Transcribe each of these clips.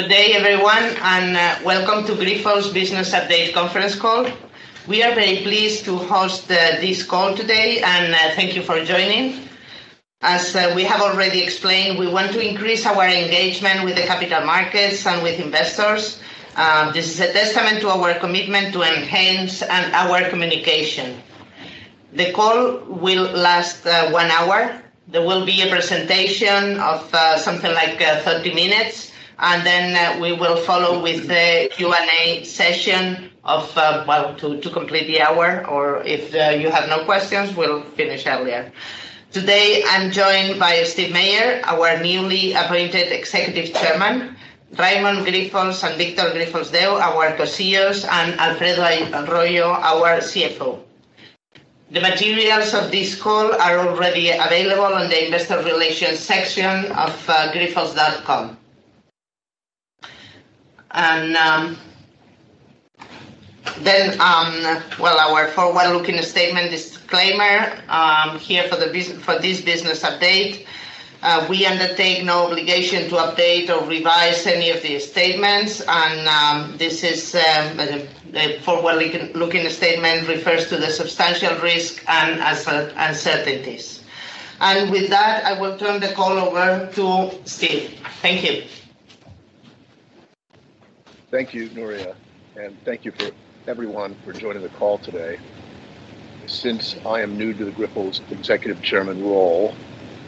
Good day everyone, welcome to Grifols' Business Update Conference Call. We are very pleased to host this call today, and thank you for joining. As we have already explained, we want to increase our engagement with the capital markets and with investors. This is a testament to our commitment to enhance our communication. The call will last one hour. There will be a presentation of something like 30 minutes, and then we will follow with the Q&A session to complete the hour. If you have no questions, we'll finish earlier. Today, I'm joined by Steven Mayer, our newly appointed Executive Chairman, Raimon Grifols and Víctor Grifols Deu, our co-CEOs, and Alfredo Arroyo, our CFO. The materials of this call are already available on the investor relations section of grifols.com. Our forward-looking statement disclaimer here for this business update. We undertake no obligation to update or revise any of these statements, and this forward-looking statement refers to the substantial risk and uncertainties. With that, I will turn the call over to Steven. Thank you. Thank you, Nuria. Thank you everyone for joining the call today. Since I am new to the Grifols Executive Chairman role,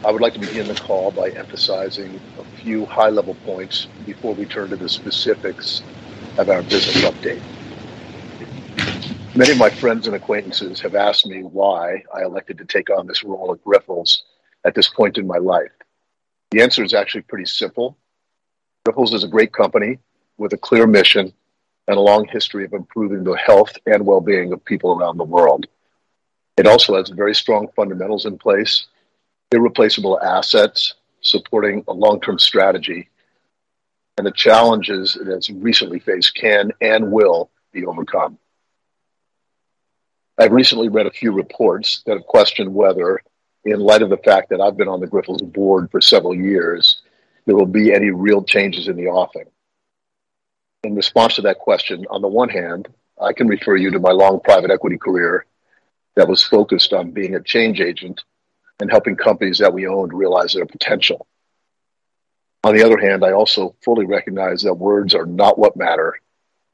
I would like to begin the call by emphasizing a few high-level points before we turn to the specifics of our business update. Many of my friends and acquaintances have asked me why I elected to take on this role at Grifols at this point in my life. The answer is actually pretty simple. Grifols is a great company with a clear mission and a long history of improving the health and wellbeing of people around the world. It also has very strong fundamentals in place, irreplaceable assets supporting a long-term strategy, and the challenges it has recently faced can and will be overcome. I've recently read a few reports that have questioned whether, in light of the fact that I've been on the Grifols board for several years, there will be any real changes in the offing. In response to that question, on the one hand, I can refer you to my long private equity career that was focused on being a change agent and helping companies that we owned realize their potential. On the other hand, I also fully recognize that words are not what matter.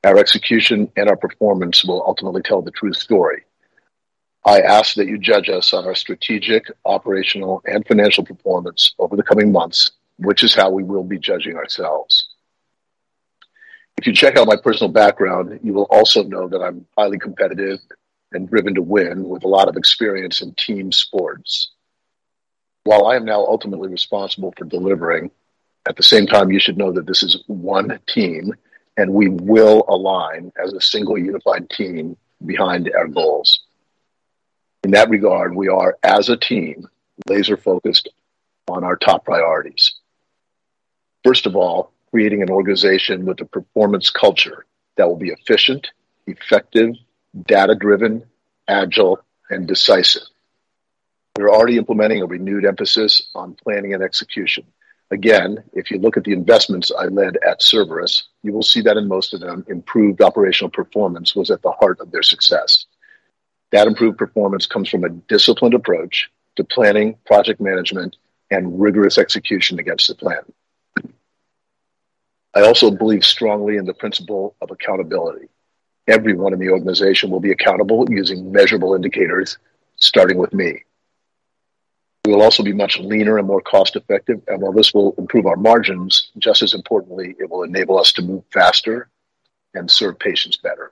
Our execution and our performance will ultimately tell the true story. I ask that you judge us on our strategic, operational, and financial performance over the coming months, which is how we will be judging ourselves. If you check out my personal background, you will also know that I'm highly competitive and driven to win, with a lot of experience in team sports. While I am now ultimately responsible for delivering, at the same time, you should know that this is one team, and we will align as a single unified team behind our goals. In that regard, we are, as a team, laser-focused on our top priorities. First of all, creating an organization with a performance culture that will be efficient, effective, data-driven, agile, and decisive. We are already implementing a renewed emphasis on planning and execution. Again, if you look at the investments I led at Cerberus, you will see that in most of them, improved operational performance was at the heart of their success. That improved performance comes from a disciplined approach to planning, project management, and rigorous execution against the plan. I also believe strongly in the principle of accountability. Everyone in the organization will be accountable using measurable indicators, starting with me. We will also be much leaner and more cost-effective, and while this will improve our margins, just as importantly, it will enable us to move faster and serve patients better.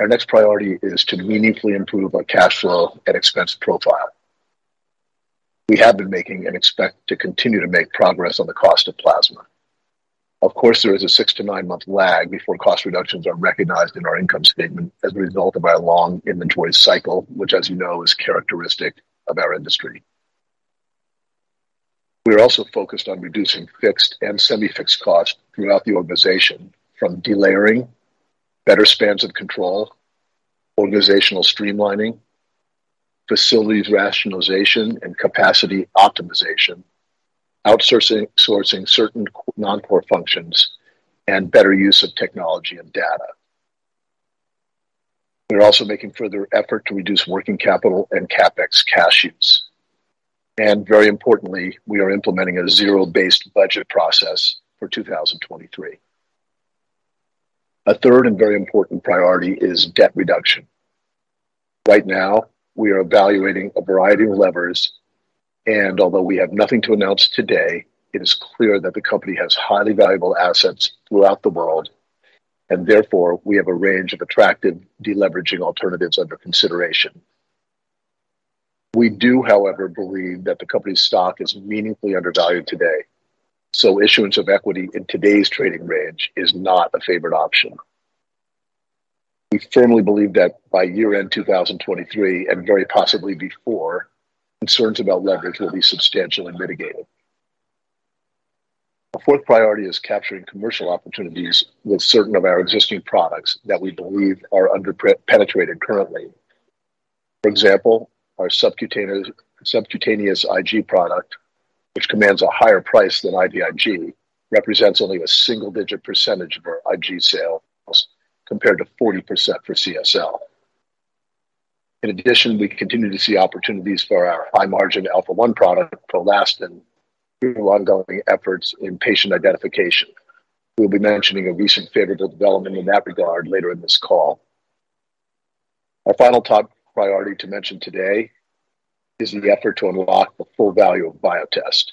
Our next priority is to meaningfully improve our cash flow and expense profile. We have been making, and expect to continue to make progress on the cost of plasma. Of course, there is a six to nine-month lag before cost reductions are recognized in our income statement as a result of our long inventory cycle, which, as you know, is characteristic of our industry. We are also focused on reducing fixed and semi-fixed costs throughout the organization from delayering, better spans of control, organizational streamlining, facilities rationalization and capacity optimization, outsourcing certain non-core functions, and better use of technology and data. We are also making further effort to reduce working capital and CapEx cash use. Very importantly, we are implementing a zero-based budget process for 2023. A third and very important priority is debt reduction. Right now, we are evaluating a variety of levers, and although we have nothing to announce today, it is clear that the company has highly valuable assets throughout the world, and therefore, we have a range of attractive deleveraging alternatives under consideration. We do, however, believe that the company's stock is meaningfully undervalued today, so issuance of equity in today's trading range is not a favored option. We firmly believe that by year-end 2023, and very possibly before, concerns about leverage will be substantially mitigated. Our fourth priority is capturing commercial opportunities with certain of our existing products that we believe are under-penetrated currently. For example, our subcutaneous IG product, which commands a higher price than IVIG, represents only a single-digit % of our IG sales compared to 40% for CSL. In addition, we continue to see opportunities for our high-margin Alpha-1 product, Prolastin, through ongoing efforts in patient identification. We'll be mentioning a recent favorable development in that regard later in this call. Our final top priority to mention today is the effort to unlock the full value of Biotest.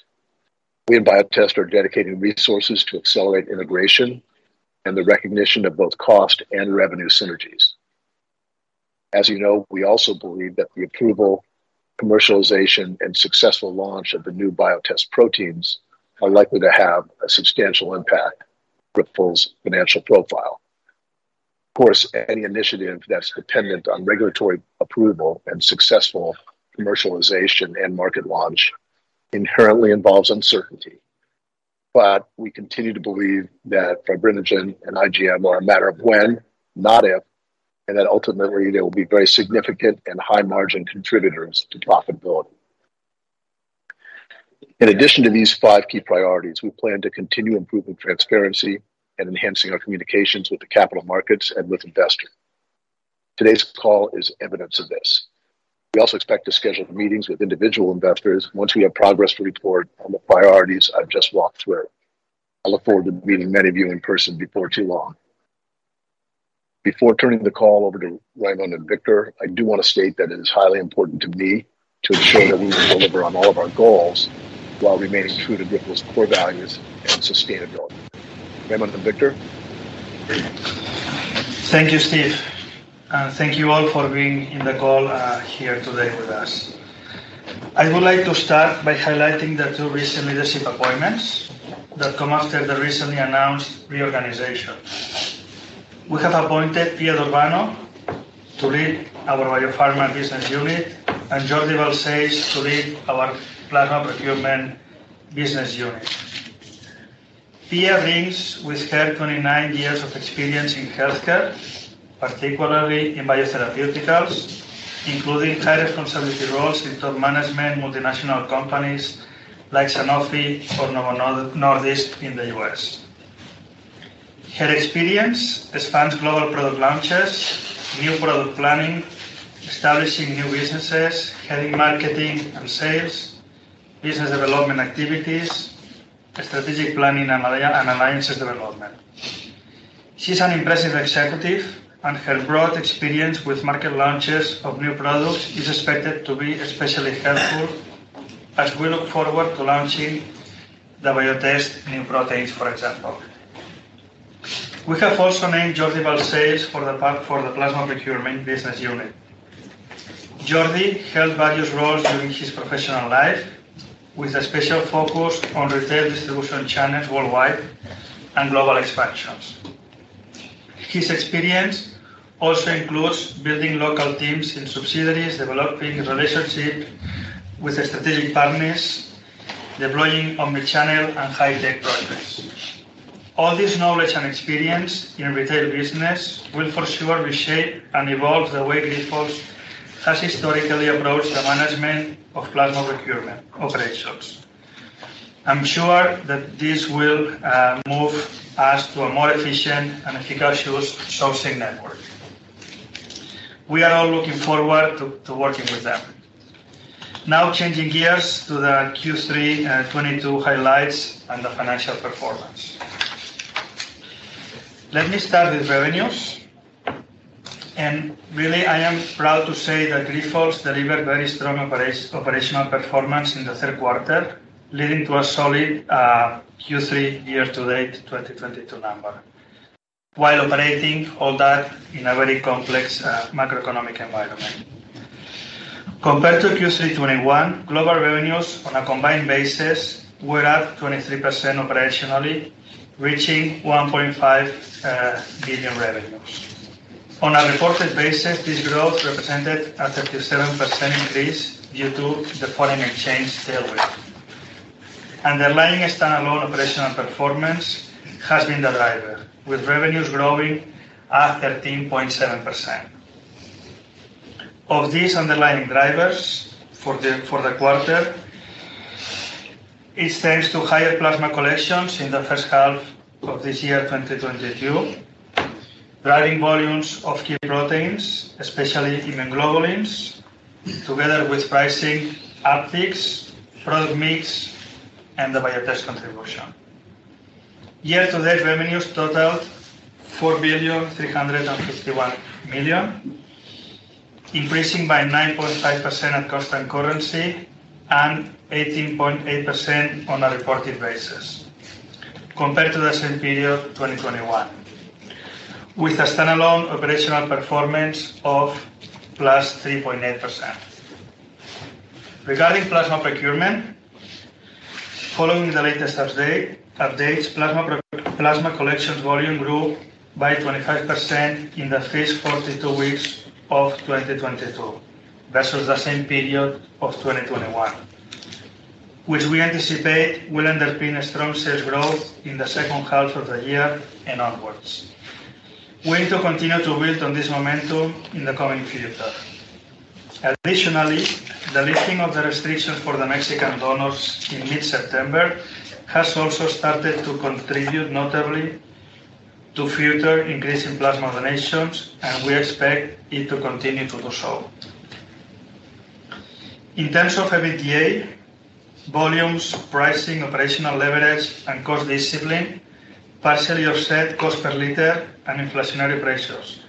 We and Biotest are dedicating resources to accelerate integration and the recognition of both cost and revenue synergies. As you know, we also believe that the approval, commercialization, and successful launch of the new Biotest proteins are likely to have a substantial impact on Grifols' financial profile. Of course, any initiative that's dependent on regulatory approval and successful commercialization and market launch inherently involves uncertainty. We continue to believe that fibrinogen and IgM are a matter of when, not if, and that ultimately they will be very significant and high-margin contributors to profitability. In addition to these five key priorities, we plan to continue improving transparency and enhancing our communications with the capital markets and with investors. Today's call is evidence of this. We also expect to schedule meetings with individual investors once we have progress to report on the priorities I've just walked through. I look forward to meeting many of you in person before too long. Before turning the call over to Raimon and Víctor, I do want to state that it is highly important to me to ensure that we will deliver on all of our goals while remaining true to Grifols' core values and sustainability. Raimon and Víctor? Thank you, Steve. Thank you all for being in the call here today with us. I would like to start by highlighting the two recent leadership appointments that come after the recently announced reorganization. We have appointed Pia D'Urbano to lead our Biopharma business unit and Jordi Balsells to lead our Plasma Procurement business unit. Pia brings with her 29 years of experience in healthcare, particularly in biotherapeutics, including high responsibility roles in top management multinational companies like Sanofi or Novo Nordisk in the U.S. Her experience spans global product launches, new product planning, establishing new businesses, heading marketing and sales, business development activities, strategic planning, and alliances development. She's an impressive executive, and her broad experience with market launches of new products is expected to be especially helpful as we look forward to launching the Biotest new proteins, for example. We have also named Jordi Balsells for the Plasma Procurement business unit. Jordi held various roles during his professional life, with a special focus on retail distribution channels worldwide and global expansions. His experience also includes building local teams in subsidiaries, developing relationships with strategic partners, deploying omni-channel and high-tech projects. All this knowledge and experience in retail business will for sure reshape and evolve the way Grifols has historically approached the management of plasma procurement operations. I'm sure that this will move us to a more efficient and efficacious sourcing network. We are all looking forward to working with them. Now changing gears to the Q3 2022 highlights and the financial performance. Let me start with revenues. Really, I am proud to say that Grifols delivered very strong operational performance in the third quarter, leading to a solid Q3 year-to-date 2022 number, while operating all that in a very complex macroeconomic environment. Compared to Q3 2021, global revenues on a combined basis were up 23% operationally, reaching $1.5 billion revenues. On a reported basis, this growth represented a 37% increase due to the foreign exchange tailwind. Underlying standalone operational performance has been the driver, with revenues growing at 13.7%. Of these underlying drivers for the quarter, it is thanks to higher plasma collections in the first half of this year, 2022, driving volumes of key proteins, especially immunoglobulins, together with pricing upticks, product mix, and the Biotest contribution. Year-to-date revenues totaled $4,351 million, increasing by 9.5% at constant currency and 18.8% on a reported basis compared to the same period 2021, with a standalone operational performance of +3.8%. Regarding plasma procurement, following the latest updates, plasma collections volume grew by 25% in the first 42 weeks of 2022 versus the same period of 2021. We anticipate will underpin a strong sales growth in the second half of the year and onwards. We need to continue to build on this momentum in the coming period. Additionally, the lifting of the restrictions for the Mexican donors in mid-September has also started to contribute notably to future increase in plasma donations, and we expect it to continue to do so. In terms of EBITDA, volumes, pricing, operational leverage, and cost discipline partially offset cost per liter and inflationary pressures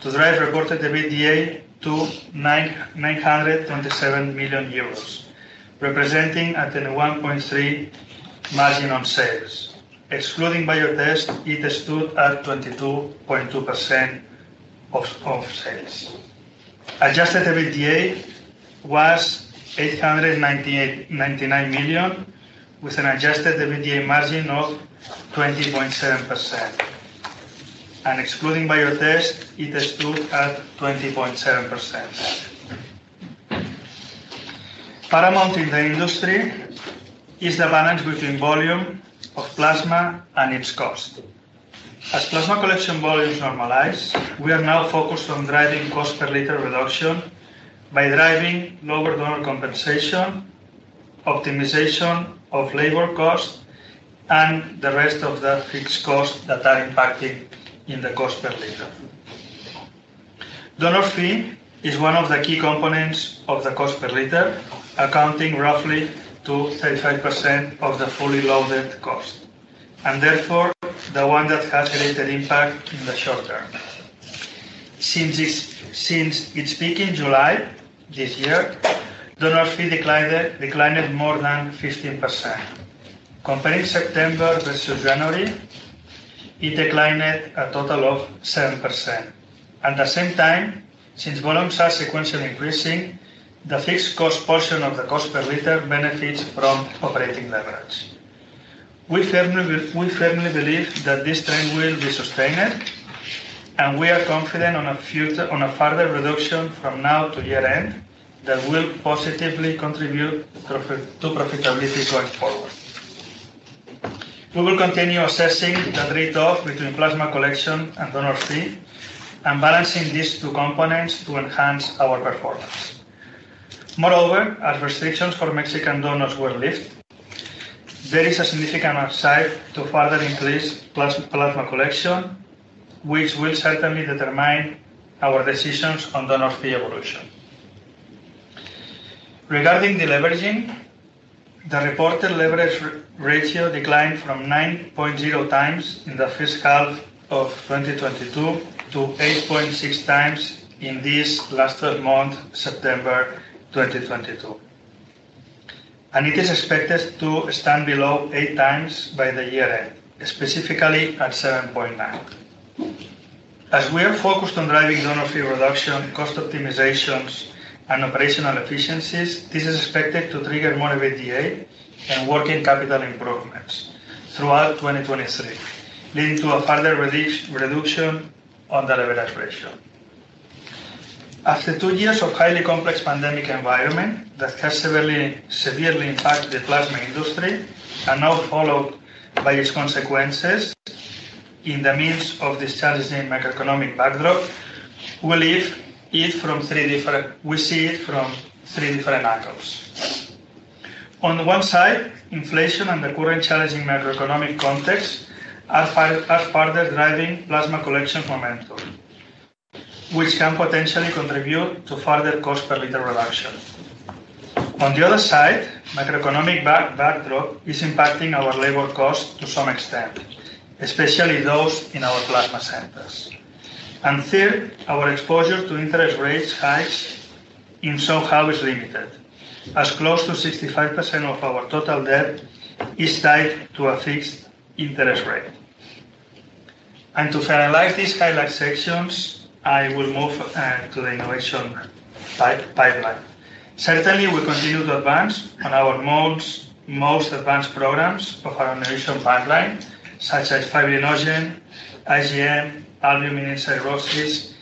to drive reported EBITDA to €927 million, representing a 21.3% margin on sales. Excluding Biotest, it stood at 22.2% of sales. Adjusted EBITDA was €899 million, with an adjusted EBITDA margin of 20.7%. Excluding Biotest, it stood at 20.7%. Paramount in the industry is the balance between volume of plasma and its cost. As plasma collection volumes normalize, we are now focused on driving cost per liter reduction by driving lower donor compensation, optimization of labor cost, and the rest of the fixed costs that are impacting in the cost per liter. Donor fee is one of the key components of the cost per liter, accounting roughly to 35% of the fully loaded cost, and therefore, the one that has a greater impact in the short term. Since its peak in July this year, donor fee declined more than 15%. Comparing September versus January, it declined a total of 7%. At the same time, since volumes are sequentially increasing, the fixed cost portion of the cost per liter benefits from operating leverage. We firmly believe that this trend will be sustained, and we are confident on a further reduction from now to year-end that will positively contribute to profitability going forward. We will continue assessing the trade-off between plasma collection and donor fee and balancing these two components to enhance our performance. Moreover, as restrictions for Mexican donors were lifted, there is a significant upside to further increase plasma collection, which will certainly determine our decisions on donor fee evolution. Regarding the leveraging, the reported leverage ratio declined from 9.0 times in the first half of 2022 to 8.6 times in this last third month, September 2022. It is expected to stand below 8 times by the year-end, specifically at 7.9. As we are focused on driving donor fee reduction, cost optimizations, and operational efficiencies, this is expected to trigger more EBITDA and working capital improvements throughout 2023, leading to a further reduction on the leverage ratio. After two years of highly complex pandemic environment that has severely impacted the plasma industry, now followed by its consequences in the means of this challenging macroeconomic backdrop, we see it from three different angles. On one side, inflation and the current challenging macroeconomic context are further driving plasma collection momentum, which can potentially contribute to further cost per liter reduction. On the other side, macroeconomic backdrop is impacting our labor cost to some extent, especially those in our plasma centers. Third, our exposure to interest rates hikes in somehow is limited, as close to 65% of our total debt is tied to a fixed interest rate. To finalize these highlight sections, I will move to the innovation pipeline. Certainly, we continue to advance on our most advanced programs of our innovation pipeline, such as fibrinogen, IgM, albumin in cirrhosis,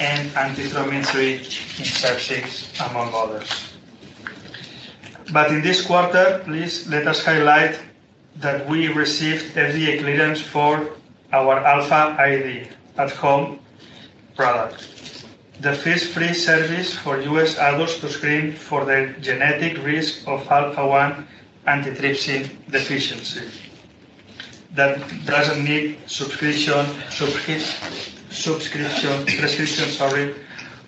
and antithrombin III in sepsis, among others. In this quarter, please let us highlight that we received FDA clearance for our AlphaID at-home product. The first free service for U.S. adults to screen for the genetic risk of Alpha-1 antitrypsin deficiency that doesn't need subscription, prescription, sorry,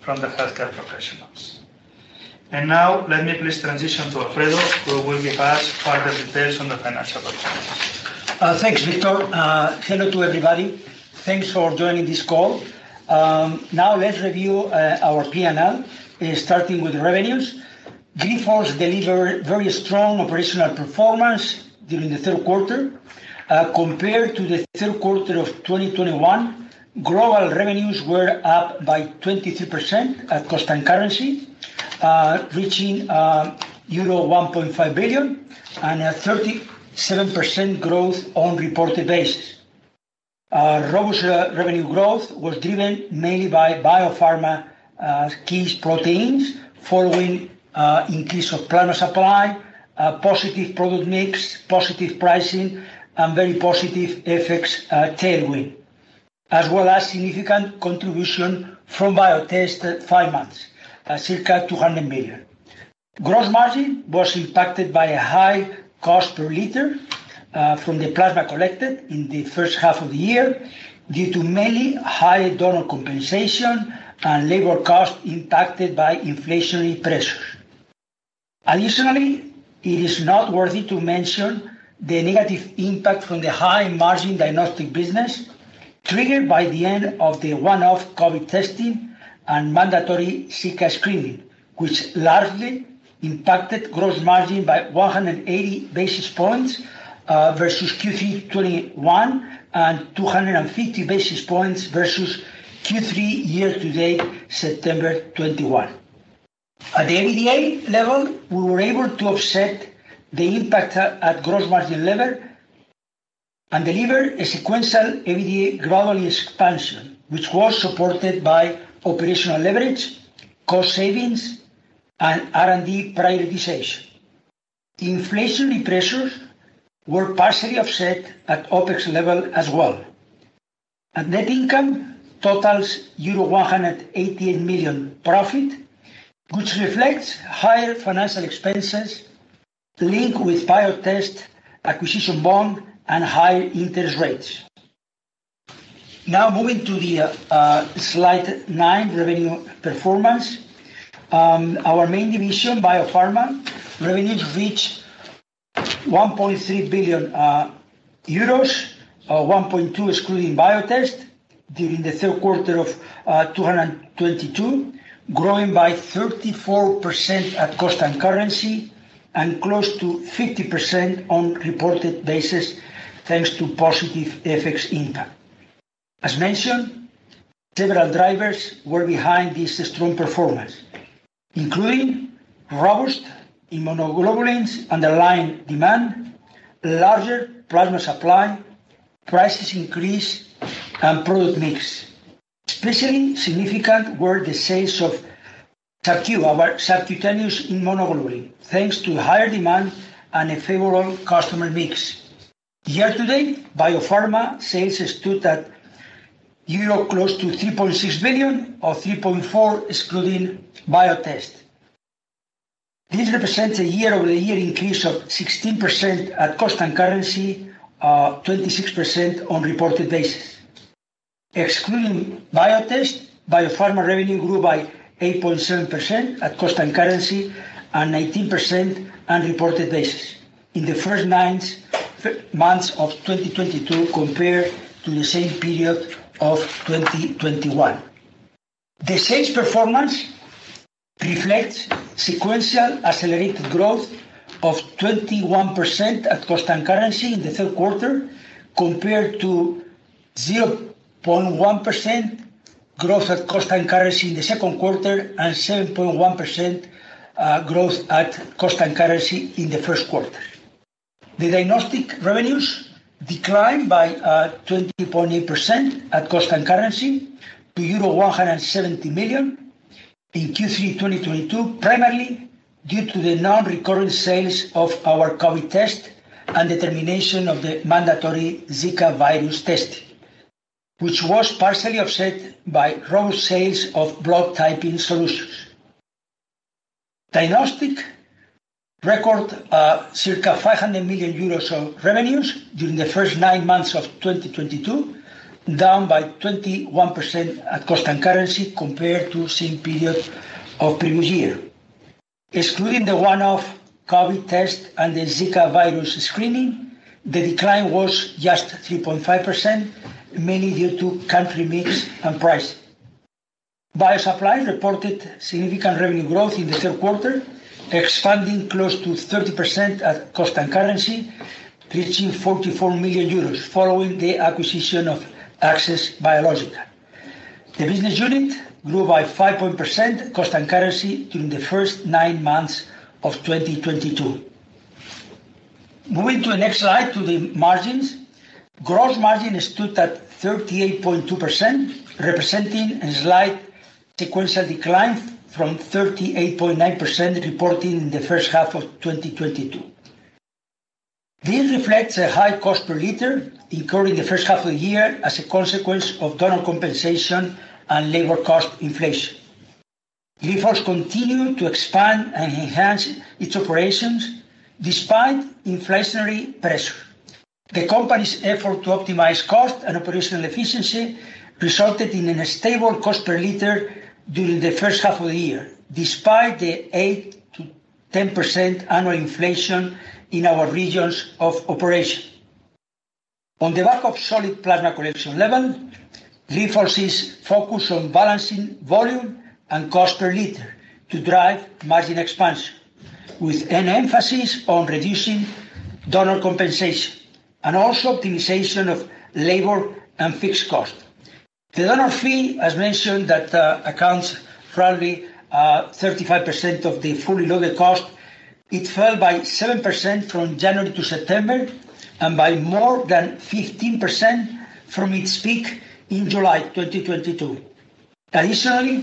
from the healthcare professionals. Now, let me please transition to Alfredo, who will give us further details on the financial performance. Thanks, Victor. Hello to everybody. Thanks for joining this call. Now let's review our P&L, starting with revenues. Grifols delivered very strong operational performance during the third quarter. Compared to the third quarter of 2021, global revenues were up by 23% at constant currency, reaching euro 1.5 billion and a 37% growth on reported basis. Robust revenue growth was driven mainly by Biopharma key proteins following increase of plasma supply, positive product mix, positive pricing, and very positive FX tailwind, as well as significant contribution from Biotest five months, circa 200 million. Gross margin was impacted by a high cost per liter from the plasma collected in the first half of the year, due to mainly high donor compensation and labor cost impacted by inflationary pressures. Additionally, it is noteworthy to mention the negative impact from the high margin diagnostic business triggered by the end of the one-off COVID-19 testing and mandatory Zika screening, which largely impacted gross margin by 180 basis points versus Q3 2021, and 250 basis points versus Q3 year-to-date, September 2021. At the EBITDA level, we were able to offset the impact at gross margin level and deliver a sequential EBITDA globally expansion, which was supported by operational leverage, cost savings, and R&D prioritization. Inflationary pressures were partially offset at OpEx level as well. Net income totals euro 118 million profit, which reflects higher financial expenses linked with Biotest acquisition bond and high interest rates. Now moving to the slide nine, revenue performance. Our main division, Biopharma, revenues reached 1.3 billion euros, or 1.2 billion excluding Biotest, during the third quarter of 2022, growing by 34% at cost and currency, and close to 50% on reported basis, thanks to positive FX impact. As mentioned, several drivers were behind this strong performance, including robust immunoglobulins underlying demand, larger plasma supply, prices increase, and product mix. Especially significant were the sales of XEMBIFY, our subcutaneous immunoglobulin, thanks to higher demand and a favorable customer mix. Year to date, Biopharma sales stood at 3.6 billion, or 3.4 billion excluding Biotest. This represents a year-over-year increase of 16% at cost and currency, 26% on reported basis. Excluding Biotest, Biopharma revenue grew by 8.7% at cost and currency, and 18% on reported basis in the first nine months of 2022 compared to the same period of 2021. The sales performance reflects sequential accelerated growth of 21% at cost and currency in the third quarter compared to 0.1% growth at cost and currency in the second quarter, and 7.1% growth at cost and currency in the first quarter. Diagnostic revenues declined by 20.8% at cost and currency to euro 170 million in Q3 2022, primarily due to the non-recurring sales of our COVID test and the termination of the mandatory Zika virus test, which was partially offset by robust sales of blood typing solutions. Diagnostic recorded circa 500 million euros of revenues during the first nine months of 2022, down by 21% at cost and currency compared to same period of previous year. Excluding the one-off COVID test and the Zika virus screening, the decline was just 3.5%, mainly due to country mix and price. Bio Supplies reported significant revenue growth in the third quarter, expanding close to 30% at cost and currency, reaching 44 million euros, following the acquisition of Access Biologicals. The business unit grew by 5% cost and currency during the first nine months of 2022. Moving to the next slide to the margins. Gross margin stood at 38.2%, representing a slight sequential decline from 38.9% reported in the first half of 2022. This reflects a high cost per liter incurred in the first half of the year as a consequence of donor compensation and labor cost inflation. Grifols continue to expand and enhance its operations despite inflationary pressure. The company's effort to optimize cost and operational efficiency resulted in a stable cost per liter during the first half of the year, despite the 8%-10% annual inflation in our regions of operation. On the back of solid plasma collection level, Grifols is focused on balancing volume and cost per liter to drive margin expansion, with an emphasis on reducing donor compensation and also optimization of labor and fixed cost. The donor fee, as mentioned, that accounts probably 35% of the fully loaded cost. It fell by 7% from January to September, and by more than 15% from its peak in July 2022. Additionally,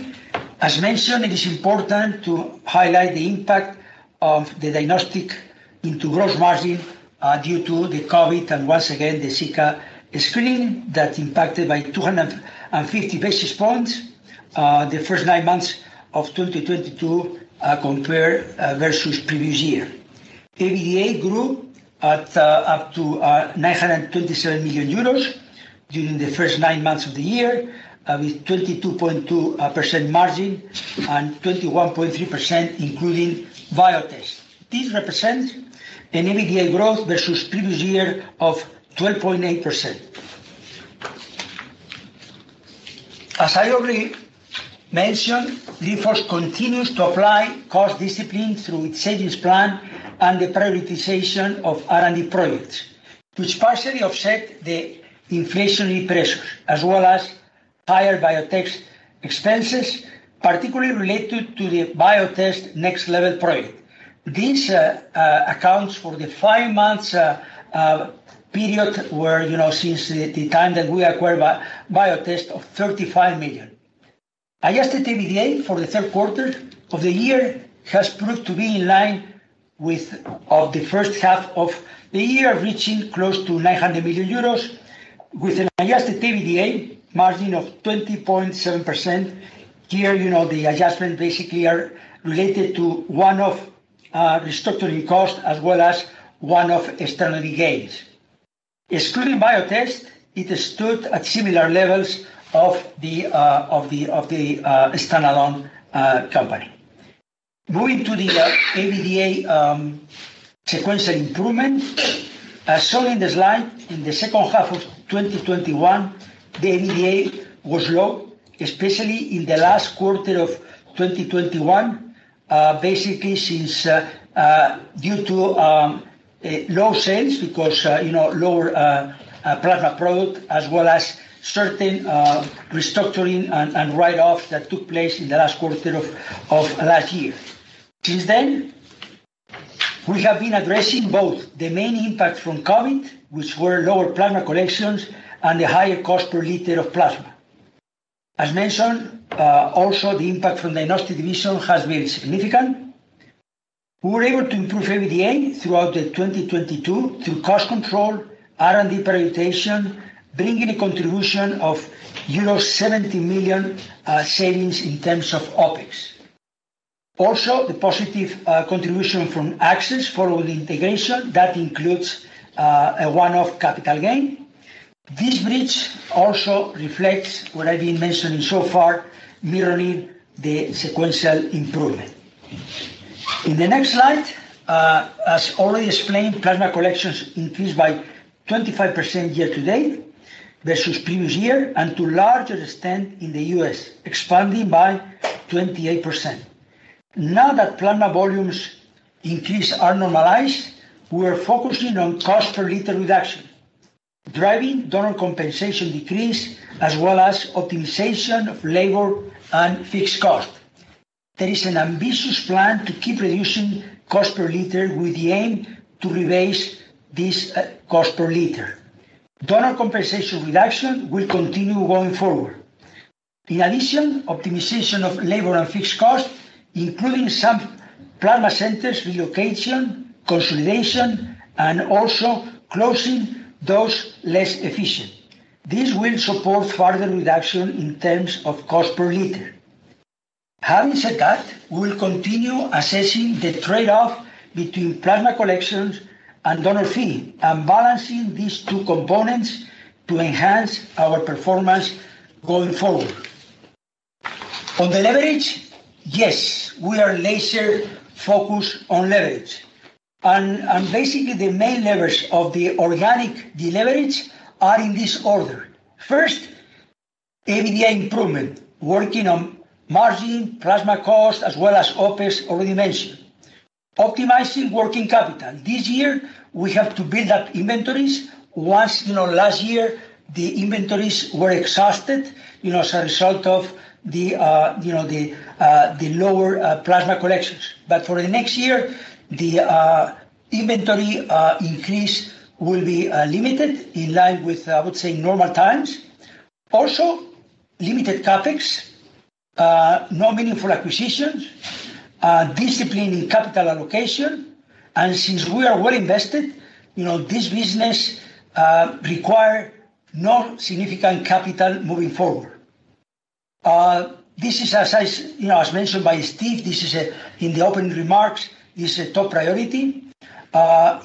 as mentioned, it is important to highlight the impact of the Diagnostic into gross margin due to the COVID and once again, the Zika screening that impacted by 250 basis points the first nine months of 2022 compared versus previous year. EBITDA grew up to 927 million euros during the first nine months of the year, with 22.2% margin and 21.3% including Biotest. This represents an EBITDA growth versus previous year of 12.8%. As I already mentioned, Grifols continues to apply cost discipline through its savings plan and the prioritization of R&D projects, which partially offset the inflationary pressures as well as higher Biotest expenses, particularly related to the Biotest Next Level project. This accounts for the five months period where since the time that we acquired Biotest of 35 million. Adjusted EBITDA for the third quarter of the year has proved to be in line with of the first half of the year, reaching close to 900 million euros, with an adjusted EBITDA margin of 20.7%. Here, the adjustment basically are related to one-off restructuring cost as well as one-off extraordinary gains. Excluding Biotest, it stood at similar levels of the standalone company. Moving to the EBITDA sequential improvement. As shown in the slide, in the second half of 2021, the EBITDA was low, especially in the last quarter of 2021. Due to low sales because lower plasma product as well as certain restructuring and write-offs that took place in the last quarter of last year. We have been addressing both the main impact from COVID-19, which were lower plasma collections and the higher cost per liter of plasma. As mentioned, also the impact from Diagnostic division has been significant. We were able to improve EBITDA throughout 2022 through cost control, R&D prioritization, bringing a contribution of euro 70 million savings in terms of OpEx. The positive contribution from Access Biologicals following integration, that includes a one-off capital gain. This bridge also reflects what I've been mentioning so far, mirroring the sequential improvement. In the next slide, as already explained, plasma collections increased by 25% year-to-date versus previous year and to larger extent in the U.S., expanding by 28%. Now that plasma volumes increase are normalized, we are focusing on cost per liter reduction, driving donor compensation decrease as well as optimization of labor and fixed cost. There is an ambitious plan to keep reducing cost per liter with the aim to revise this cost per liter. Donor compensation reduction will continue going forward. Optimization of labor and fixed cost, including some plasma centers relocation, consolidation, and also closing those less efficient. This will support further reduction in terms of cost per liter. Having said that, we will continue assessing the trade-off between plasma collections and donor fee, and balancing these two components to enhance our performance going forward. On the leverage, yes, we are laser-focused on leverage, and basically the main levers of the organic deleverage are in this order. First, EBITDA improvement, working on margin, plasma cost as well as OpEx already mentioned. Optimizing working capital. This year we have to build up inventories. Once last year, the inventories were exhausted, as a result of the lower plasma collections. For the next year, the inventory increase will be limited in line with, I would say, normal times. Limited CapEx, no meaningful acquisitions, discipline in capital allocation, and since we are well invested, this business require no significant capital moving forward. This is, as mentioned by Steve, this is in the opening remarks, is a top priority.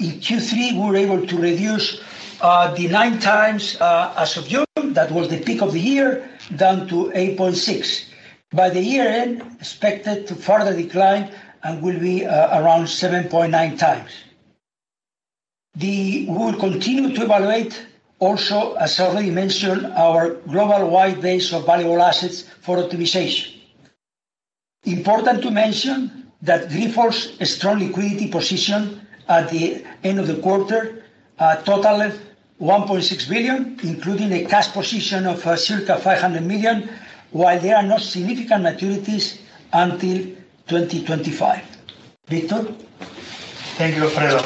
In Q3, we were able to reduce the 9x as of June, that was the peak of the year, down to 8.6x. By the year-end, expected to further decline and will be around 7.9x. We will continue to evaluate also, as already mentioned, our global wide base of valuable assets for optimization. Important to mention that Grifols's strong liquidity position at the end of the quarter totaled 1.6 billion, including a cash position of circa 500 million, while there are no significant maturities until 2025. Víctor? Thank you, Alfredo.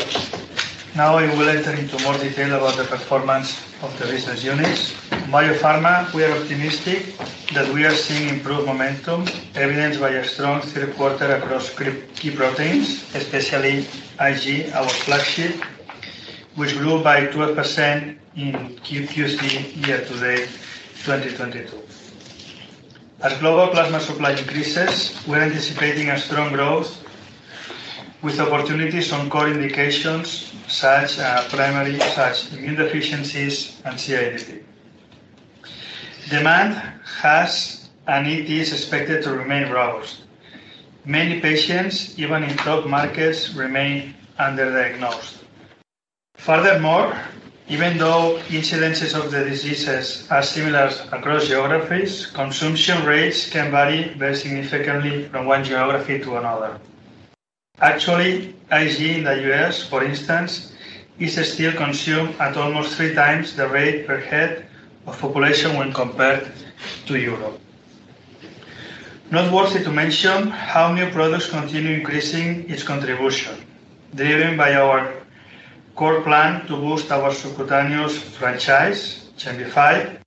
I will enter into more detail about the performance of the business units. Biopharma, we are optimistic that we are seeing improved momentum evidenced by a strong third quarter across key proteins, especially IG, our flagship, which grew by 12% in Q3 year to date 2022. As global plasma supply increases, we're anticipating a strong growth with opportunities on core indications, such primary, such immune deficiencies, and CIDP. Demand is expected to remain robust. Many patients, even in top markets, remain under-diagnosed. Furthermore, even though incidences of the diseases are similar across geographies, consumption rates can vary very significantly from one geography to another. Actually, IG in the U.S., for instance, is still consumed at almost three times the rate per head of population when compared to Europe. Noteworthy to mention how new products continue increasing its contribution, driven by our core plan to boost our subcutaneous franchise, XEMBIFY,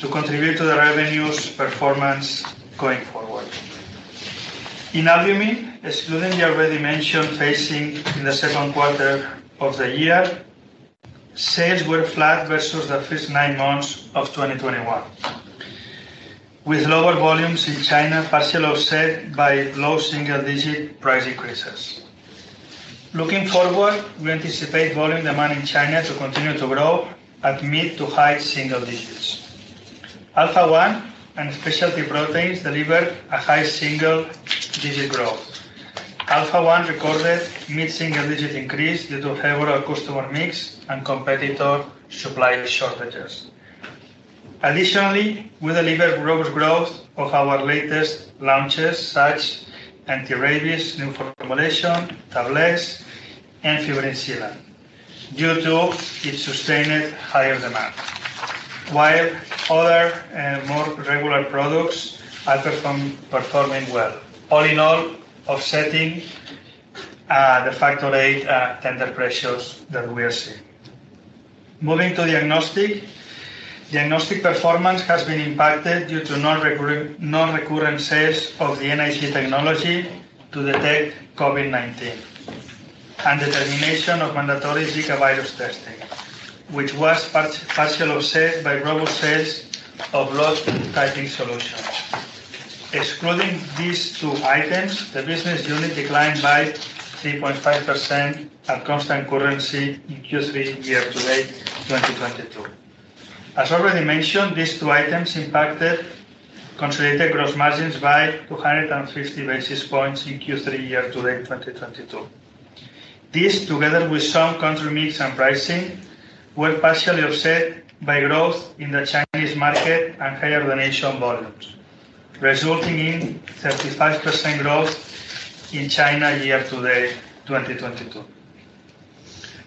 to contribute to the revenues performance going forward. In albumin, excluding the already mentioned phasing in the second quarter of the year, sales were flat versus the first nine months of 2021, with lower volumes in China, partially offset by low single-digit price increases. Looking forward, we anticipate volume demand in China to continue to grow at mid to high single digits. Alpha-1 and specialty proteins delivered a high single-digit growth. Alpha-1 recorded mid-single-digit increase due to favorable customer mix and competitor supply shortages. Additionally, we delivered robust growth of our latest launches, such anti-rabies new formulation, tablets, and fibrin sealants due to its sustained higher demand, while other more regular products are performing well, all in all offsetting the Factor VIII tender pressures that we are seeing. Moving to Diagnostics. Diagnostic performance has been impacted due to non-recurring sales of the NAT technology to detect COVID-19, and the termination of mandatory Zika virus testing, which was partially offset by robust sales of blood typing solutions. Excluding these two items, the business unit declined by 3.5% at constant currency in Q3 year to date 2022. As already mentioned, these two items impacted consolidated gross margins by 250 basis points in Q3 year to date 2022. This, together with some country mix and pricing, were partially offset by growth in the Chinese market and higher donation volumes, resulting in 35% growth in China year to date 2022.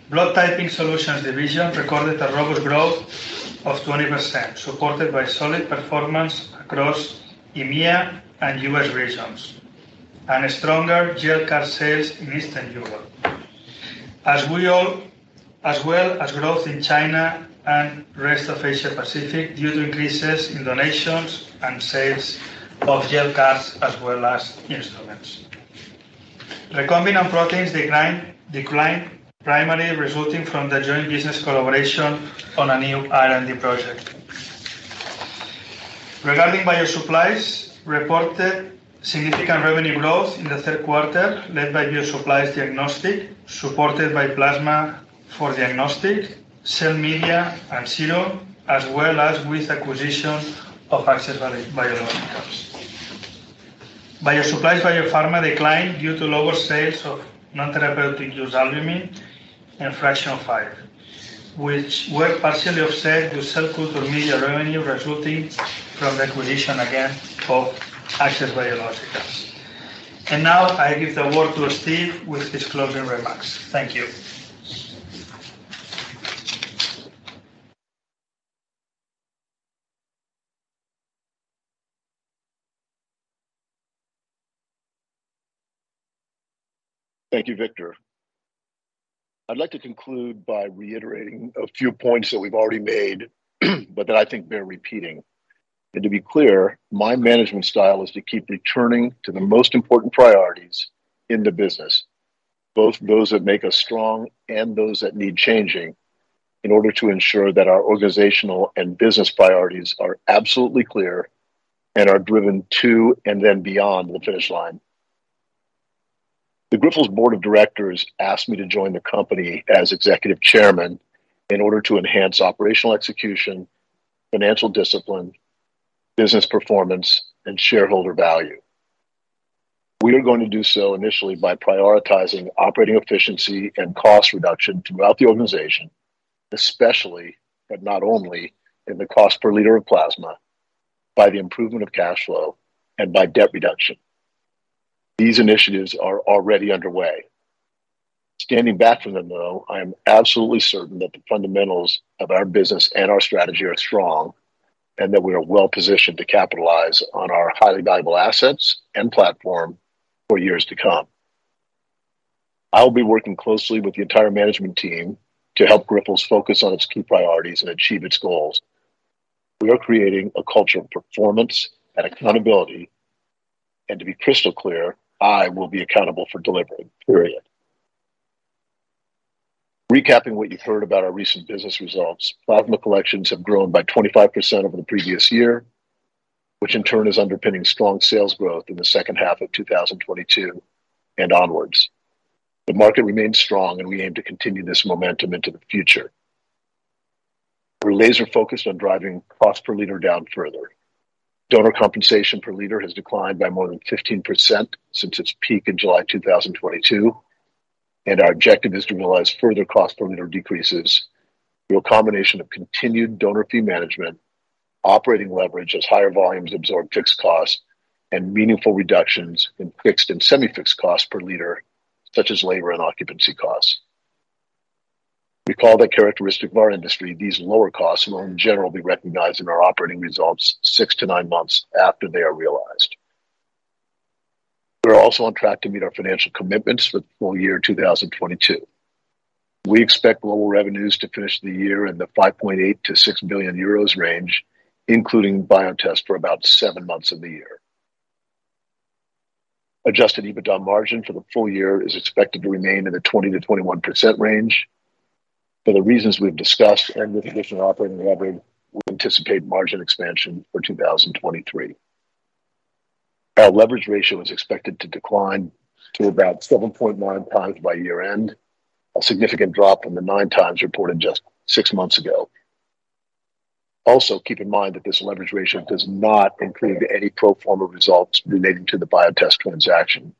Blood typing solutions division recorded a robust growth of 20%, supported by solid performance across EMEA and U.S. regions, and stronger gel card sales in Eastern Europe. As well as growth in China and rest of Asia-Pacific due to increases in donations and sales of gel cards as well as instruments. Recombinant proteins declined, primarily resulting from the joint business collaboration on a new R&D project. Regarding BioSupplies, reported significant revenue growth in the third quarter, led by BioSupplies diagnostics, supported by plasma for diagnostics, cell media, and serum, as well as with acquisition of Access Biologicals. BioSupplies Biopharma declined due to lower sales of non-therapeutic use albumin and Fraction V, which were partially offset through cell culture media revenue resulting from the acquisition again of Access Biologicals. Now I give the word to Steve with his closing remarks. Thank you. Thank you, Victor. I'd like to conclude by reiterating a few points that we've already made but that I think bear repeating. To be clear, my management style is to keep returning to the most important priorities in the business, both those that make us strong and those that need changing, in order to ensure that our organizational and business priorities are absolutely clear and are driven to and then beyond the finish line. The Grifols Board of Directors asked me to join the company as Executive Chairman in order to enhance operational execution, financial discipline, business performance, and shareholder value. We are going to do so initially by prioritizing operating efficiency and cost reduction throughout the organization, especially, but not only, in the cost per liter of plasma, by the improvement of cash flow, and by debt reduction. These initiatives are already underway. Standing back from them, though, I am absolutely certain that the fundamentals of our business and our strategy are strong, and that we are well-positioned to capitalize on our highly valuable assets and platform for years to come. I'll be working closely with the entire management team to help Grifols focus on its key priorities and achieve its goals. We are creating a culture of performance and accountability, to be crystal clear, I will be accountable for delivering, period. Recapping what you've heard about our recent business results, plasma collections have grown by 25% over the previous year, which in turn is underpinning strong sales growth in the second half of 2022 and onwards. The market remains strong, we aim to continue this momentum into the future. We're laser-focused on driving cost per liter down further. Donor compensation per liter has declined by more than 15% since its peak in July 2022, our objective is to realize further cost per liter decreases through a combination of continued donor fee management, operating leverage as higher volumes absorb fixed costs, and meaningful reductions in fixed and semi-fixed costs per liter, such as labor and occupancy costs. Recall the characteristic of our industry, these lower costs will in general be recognized in our operating results six to nine months after they are realized. We are also on track to meet our financial commitments for the full year 2022. We expect global revenues to finish the year in the 5.8 billion-6 billion euros range, including Biotest for about seven months of the year. Adjusted EBITDA margin for the full year is expected to remain in the 20%-21% range. For the reasons we've discussed and with additional operating leverage, we anticipate margin expansion for 2023. Our leverage ratio is expected to decline to about 7.1 times by year end, a significant drop from the nine times reported just six months ago. Also, keep in mind that this leverage ratio does not include any pro forma results relating to the Biotest transaction.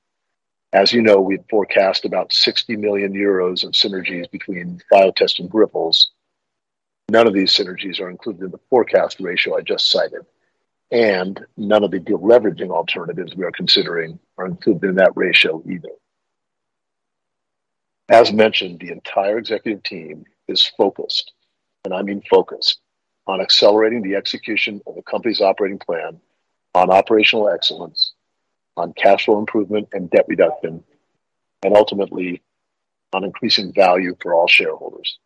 As you know, we had forecast about 60 million euros of synergies between Biotest and Grifols. None of these synergies are included in the forecast ratio I just cited, and none of the de-leveraging alternatives we are considering are included in that ratio either. As mentioned, the entire executive team is focused, and I mean focused, on accelerating the execution of the company's operating plan, on operational excellence, on cash flow improvement and debt reduction, and ultimately on increasing value for all shareholders.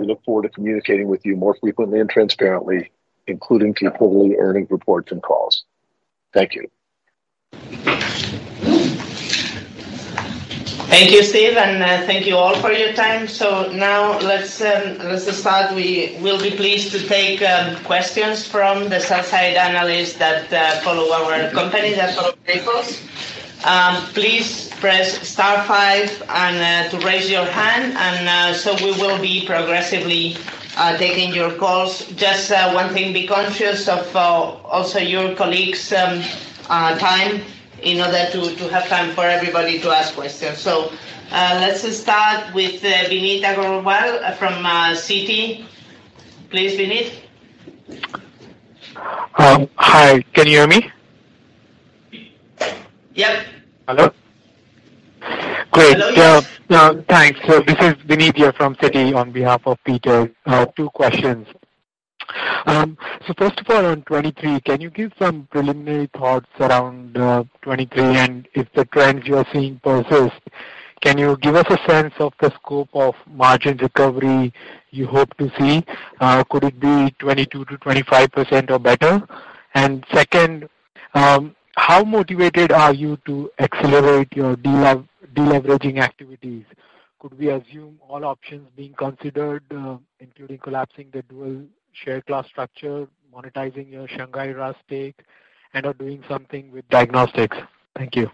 We look forward to communicating with you more frequently and transparently, including through quarterly earning reports and calls. Thank you. Thank you, Steve, and thank you all for your time. Now, let's start. We will be pleased to take questions from the sell-side analysts that follow our company, that follow Grifols. Please press star five to raise your hand, we will be progressively taking your calls. Just one thing, be conscious of also your colleagues' time in order to have time for everybody to ask questions. Let's start with Vineet Agarwal from Citi. Please, Vineet. Hi, can you hear me? Yep. Hello? Great. Hello, yes. Thanks. This is Vineet here from Citi on behalf of Peter. Two questions. First of all, on 2023, can you give some preliminary thoughts around 2023, and if the trends you are seeing persist, can you give us a sense of the scope of margin recovery you hope to see? Could it be 22%-25% or better? Second, how motivated are you to accelerate your deleveraging activities? Could we assume all options being considered, including collapsing the dual share class structure, monetizing your Shanghai RAAS stake, and/or doing something with diagnostics? Thank you.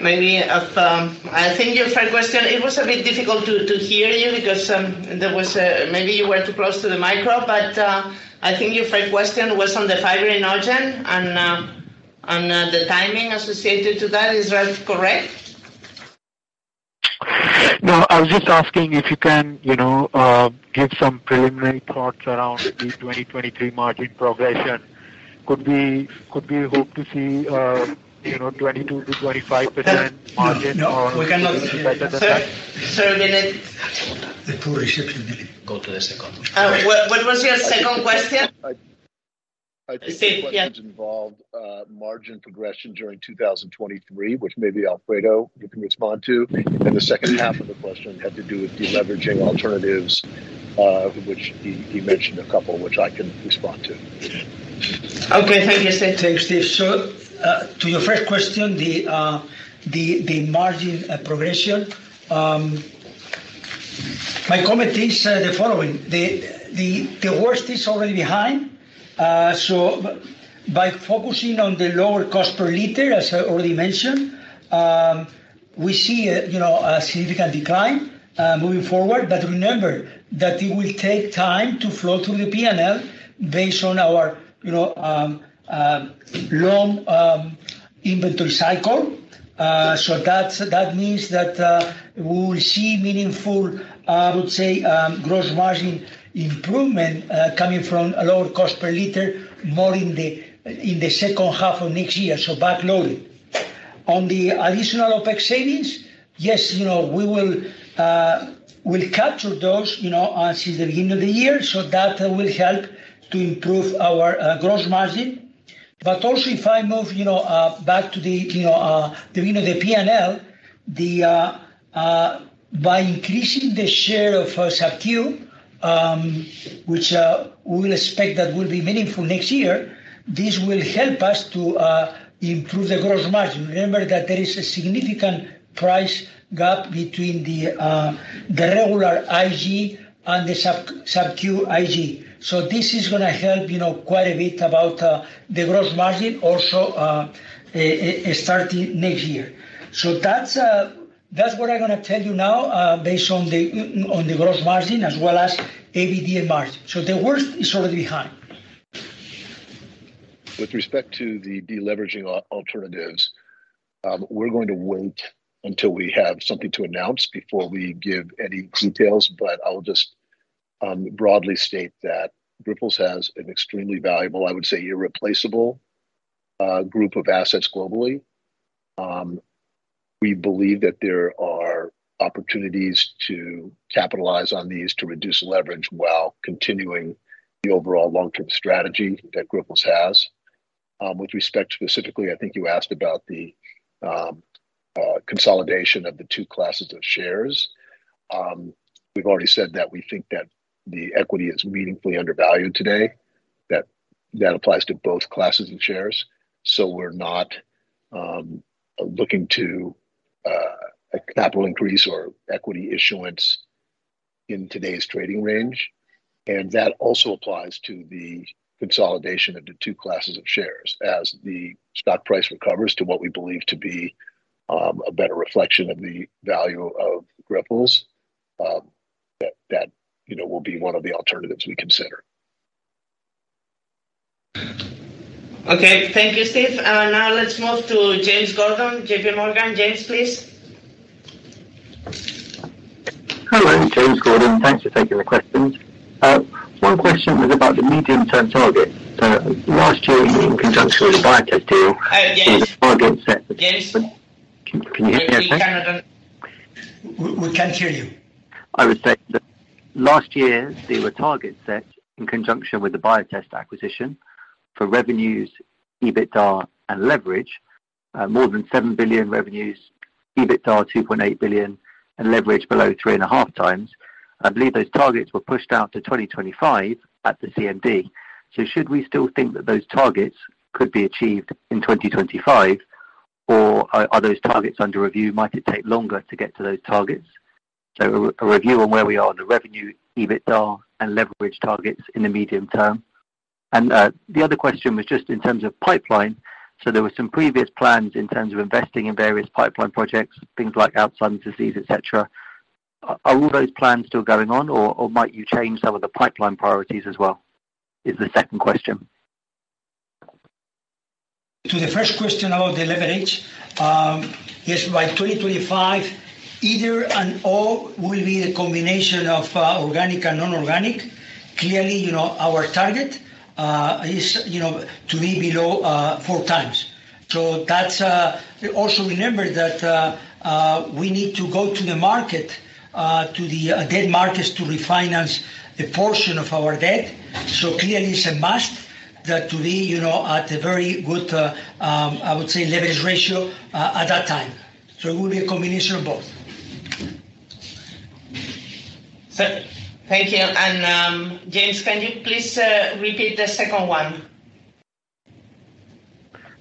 Maybe. I think your third question, it was a bit difficult to hear you because maybe you were too close to the micro. I think your third question was on the fibrinogen and the timing associated to that. Is that correct? I was just asking if you can give some preliminary thoughts around the 2023 margin progression. Could we hope to see 22%-25% margin or We cannot Better than that? Sir, Vineet. The poor reception. Go to the second one. What was your second question, Steve? Yeah. I think the questions involved margin progression during 2023, which maybe Alfredo you can respond to, and the second half of the question had to do with deleveraging alternatives, which he mentioned a couple, which I can respond to. Okay, thank you, Steve. Thanks, Steve. To your first question, the margin progression. My comment is the following. The worst is already behind. By focusing on the lower cost per liter, as I already mentioned, we see a significant decline moving forward. Remember that it will take time to flow through the P&L based on our long Inventory cycle. That means that we will see meaningful, I would say, gross margin improvement coming from a lower cost per liter more in the second half of next year, back-loaded. On the additional OpEx savings, yes, we will capture those as the end of the year, that will help to improve our gross margin. Also, if I move back to the P&L, by increasing the share of Sub-Q, which we will expect that will be meaningful next year, this will help us to improve the gross margin. Remember that there is a significant price gap between the regular IG and the Sub-Q IG. This is going to help quite a bit about the gross margin also starting next year. That's what I'm going to tell you now based on the gross margin as well as EBITDA and margin. The worst is already behind. With respect to the deleveraging alternatives, we're going to wait until we have something to announce before we give any details, but I'll just broadly state that Grifols has an extremely valuable, I would say irreplaceable, group of assets globally. We believe that there are opportunities to capitalize on these to reduce leverage while continuing the overall long-term strategy that Grifols has. With respect specifically, I think you asked about the consolidation of the two classes of shares. We've already said that we think that the equity is meaningfully undervalued today, that applies to both classes of shares. We're not looking to a capital increase or equity issuance in today's trading range. That also applies to the consolidation of the two classes of shares. As the stock price recovers to what we believe to be a better reflection of the value of Grifols, that will be one of the alternatives we consider. Okay. Thank you, Steve. Now let's move to James Gordon, JP Morgan. James, please. Hello, James Gordon. Thanks for taking the questions. One question was about the medium-term target. Last year, in conjunction with the Biotest deal. Hi, James there were targets set. James. Can you hear me okay? We can't hear you. I would say that last year there were targets set in conjunction with the Biotest acquisition for revenues, EBITDA, and leverage. More than 7 billion revenues, EBITDA 2.8 billion, and leverage below three and a half times. I believe those targets were pushed out to 2025 at the CMD. Should we still think that those targets could be achieved in 2025, or are those targets under review? Might it take longer to get to those targets? A review on where we are on the revenue, EBITDA, and leverage targets in the medium term. The other question was just in terms of pipeline. There were some previous plans in terms of investing in various pipeline projects, things like Alzheimer's disease, et cetera. Are all those plans still going on, or might you change some of the pipeline priorities as well, is the second question. To the first question about the leverage. Yes, by 2025, either and/or will be a combination of organic and non-organic. Clearly, our target is to be below four times. Also remember that we need to go to the market, to the debt markets to refinance a portion of our debt. Clearly, it's a must that to be at a very good, I would say, leverage ratio at that time. It will be a combination of both. Thank you. James, can you please repeat the second one?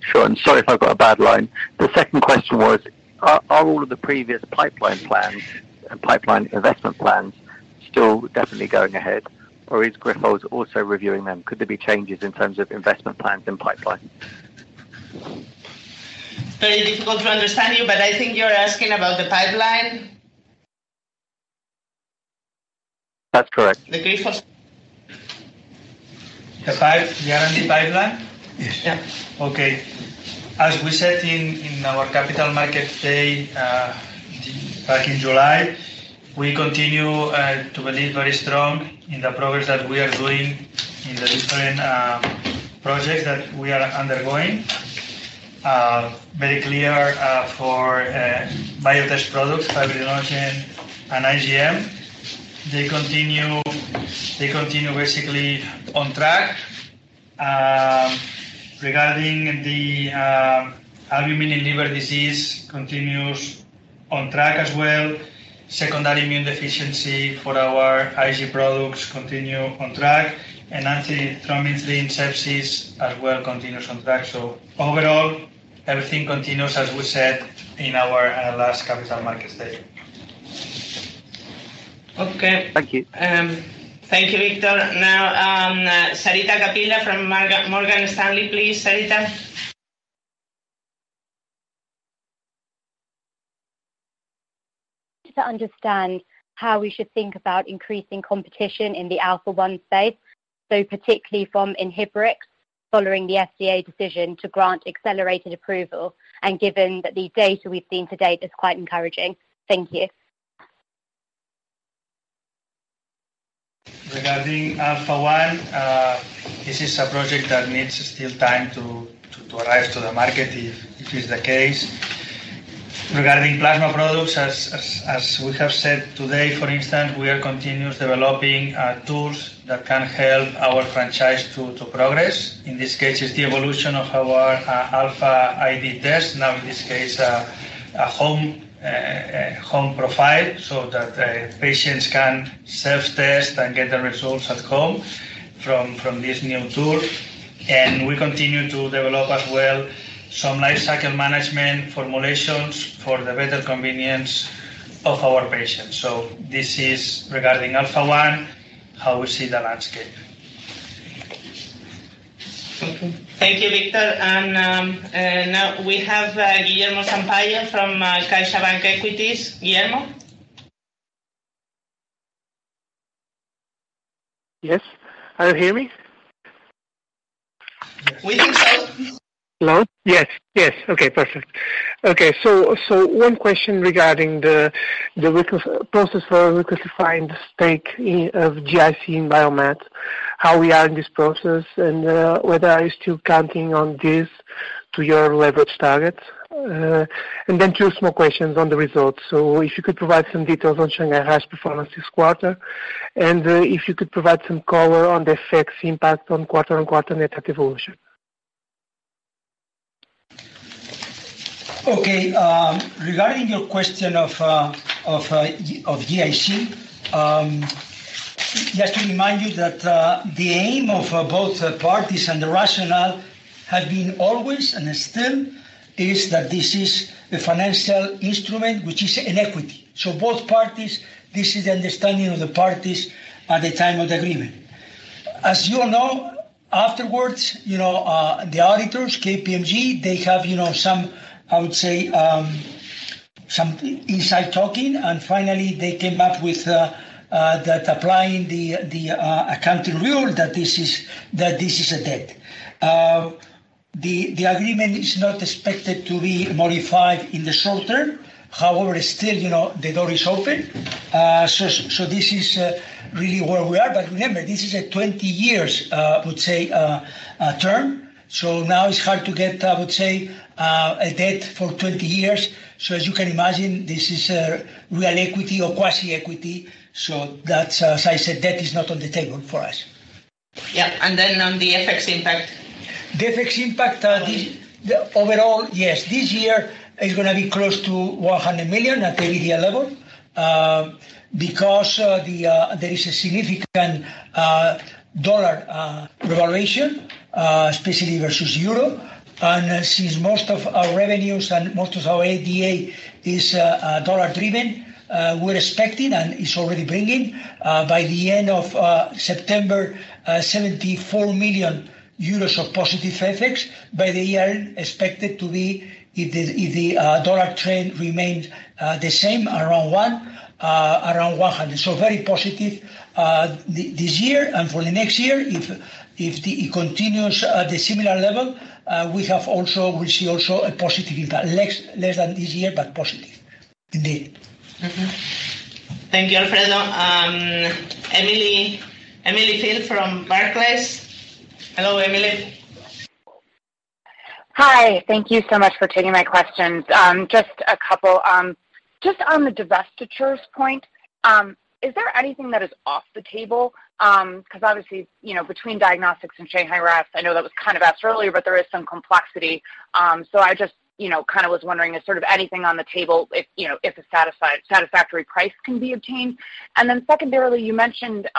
Sure, sorry if I've got a bad line. The second question was, are all of the previous pipeline plans and pipeline investment plans still definitely going ahead, or is Grifols also reviewing them? Could there be changes in terms of investment plans and pipeline? Very difficult to understand you, I think you're asking about the pipeline. That's correct. The Grifols- The guaranteed pipeline? Yes. Yeah. Okay. As we said in our Capital Market Day back in July, we continue to believe very strong in the progress that we are doing in the different projects that we are undergoing. Very clear for Biotest products, fibrinogen and IgM. They continue basically on track. Regarding the albumin and liver disease, continues on track as well. Secondary immune deficiency for our IG products continue on track. Antithrombin, sepsis as well, continues on track. Overall, everything continues as we said in our last Capital Market Statement. Okay. Thank you. Thank you, Víctor. Now, Sarita Kapila from Morgan Stanley, please. Sarita? To understand how we should think about increasing competition in the Alpha-1 space, so particularly from Inhibrx, following the FDA decision to grant accelerated approval, and given that the data we've seen to date is quite encouraging. Thank you. Regarding Alpha-1, this is a project that needs still time to arrive to the market, if it is the case. Regarding plasma products, as we have said today, for instance, we are continuously developing tools that can help our franchise to progress. In this case, it's the evolution of our AlphaID test. Now, in this case, a home profile so that patients can self-test and get the results at home from this new tool. We continue to develop as well some life cycle management formulations for the better convenience of our patients. This is regarding Alpha-1, how we see the landscape. Okay. Thank you, Víctor. Now we have Guilherme Sampaio from CaixaBank Equities. Guilherme? Yes. Can you hear me? We can hear you. Hello? Yes. Okay, perfect. Okay. One question regarding the process for request to find stake of GIC in Biomat USA, how we are in this process, and whether are you still counting on this to your leverage targets? Two small questions on the results. If you could provide some details on Shanghai RAAS performance this quarter, and if you could provide some color on the FX impact on quarter-on-quarter net evolution. Okay. Regarding your question of GIC, just to remind you that the aim of both parties and the rationale had been always, and still is, that this is a financial instrument, which is an equity. Both parties, this is the understanding of the parties at the time of the agreement. As you all know, afterwards, the auditors, KPMG, they have some inside talking, and finally, they came up with applying the accounting rule that this is a debt. The agreement is not expected to be modified in the short term. However, still, the door is open. This is really where we are. Remember, this is a 20 years term. Now it's hard to get a debt for 20 years. As you can imagine, this is a real equity or quasi equity. That's, as I said, debt is not on the table for us. Yeah. On the FX impact. The FX impact, overall, yes. This year is going to be close to $100 million at the EBITDA level, because there is a significant dollar revaluation, specifically versus EUR. Since most of our revenues and most of our EBITDA is dollar-driven, we're expecting, and it's already bringing, by the end of September, €74 million of positive FX. By the year-end, expected to be, if the dollar trend remains the same, around €100. Very positive this year. For the next year, if it continues at the similar level, we see also a positive impact. Less than this year, but positive indeed. Okay. Thank you, Alfredo. Emily Field from Barclays. Hello, Emily. Hi. Thank you so much for taking my questions. Just a couple. On the divestitures point, is there anything that is off the table? Obviously, between diagnostics and Shanghai RAAS, I know that was kind of asked earlier, but there is some complexity. I just was wondering, is anything on the table if a satisfactory price can be obtained? Secondarily, you mentioned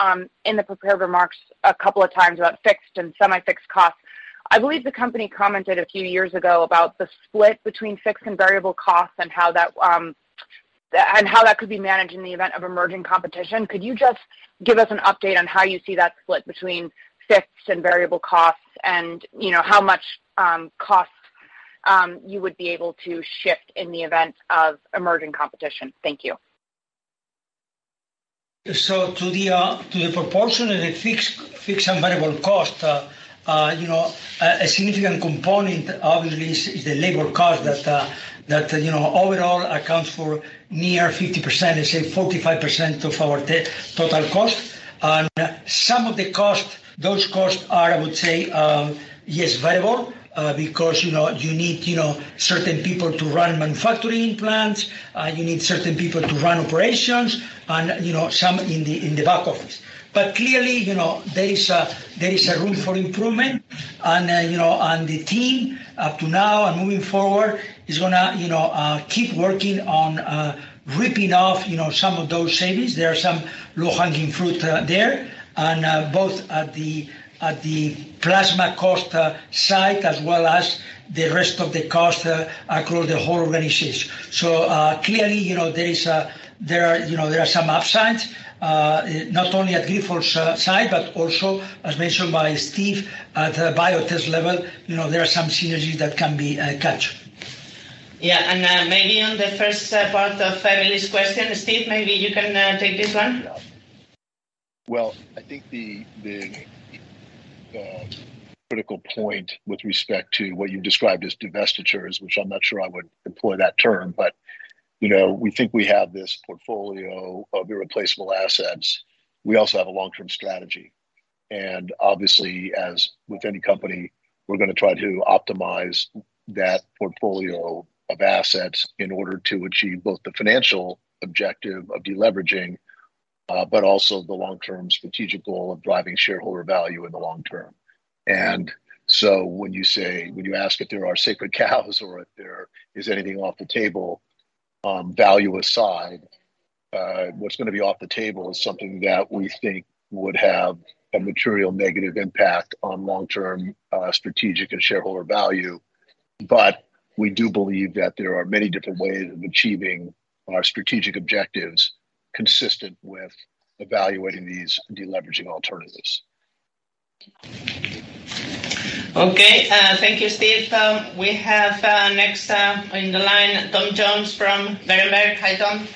in the prepared remarks a couple of times about fixed and semi-fixed costs. I believe the company commented a few years ago about the split between fixed and variable costs and how that could be managed in the event of emerging competition. Could you just give us an update on how you see that split between fixed and variable costs and how much cost you would be able to shift in the event of emerging competition? Thank you. To the proportion of the fixed and variable cost, a significant component obviously is the labor cost that overall accounts for near 50%, let's say 45% of our total cost. Those costs are, I would say, yes, variable, because you need certain people to run manufacturing plants. You need certain people to run operations and some in the back office. Clearly, there is a room for improvement. The team up to now and moving forward is going to keep working on ripping off some of those savings. There are some low-hanging fruit there. Both at the plasma cost site as well as the rest of the cost across the whole organization. Clearly, there are some upsides, not only at Grifols' side, but also, as mentioned by Steve, at the Biotest level. There are some synergies that can be caught. Yeah. Maybe on the first part of Emily's question, Steve, maybe you can take this one? Well, I think the critical point with respect to what you've described as divestitures, which I'm not sure I would employ that term, but we think we have this portfolio of irreplaceable assets. We also have a long-term strategy. Obviously, as with any company, we're going to try to optimize that portfolio of assets in order to achieve both the financial objective of deleveraging, but also the long-term strategic goal of driving shareholder value in the long term. When you ask if there are sacred cows or if there is anything off the table, value aside, what's going to be off the table is something that we think would have a material negative impact on long-term strategic and shareholder value. We do believe that there are many different ways of achieving our strategic objectives consistent with evaluating these deleveraging alternatives. Okay. Thank you, Steven. We have next in the line, Tom Jones from Berenberg. Hi, Tom.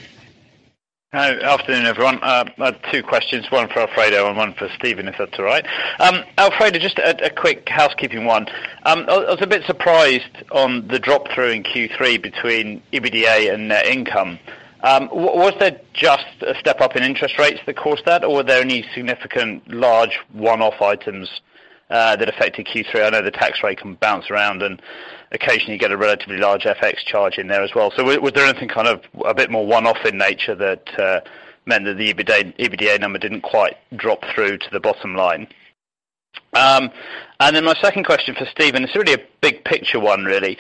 Hi. Afternoon, everyone. I have two questions, one for Alfredo and one for Steven, if that's all right. Alfredo, just a quick housekeeping one. I was a bit surprised on the drop-through in Q3 between EBITDA and net income. Was there just a step up in interest rates that caused that, or were there any significant large one-off items that affected Q3? I know the tax rate can bounce around and occasionally you get a relatively large FX charge in there as well. Was there anything a bit more one-off in nature that meant that the EBITDA number didn't quite drop through to the bottom line? My second question for Steven, it's really a big picture one, really.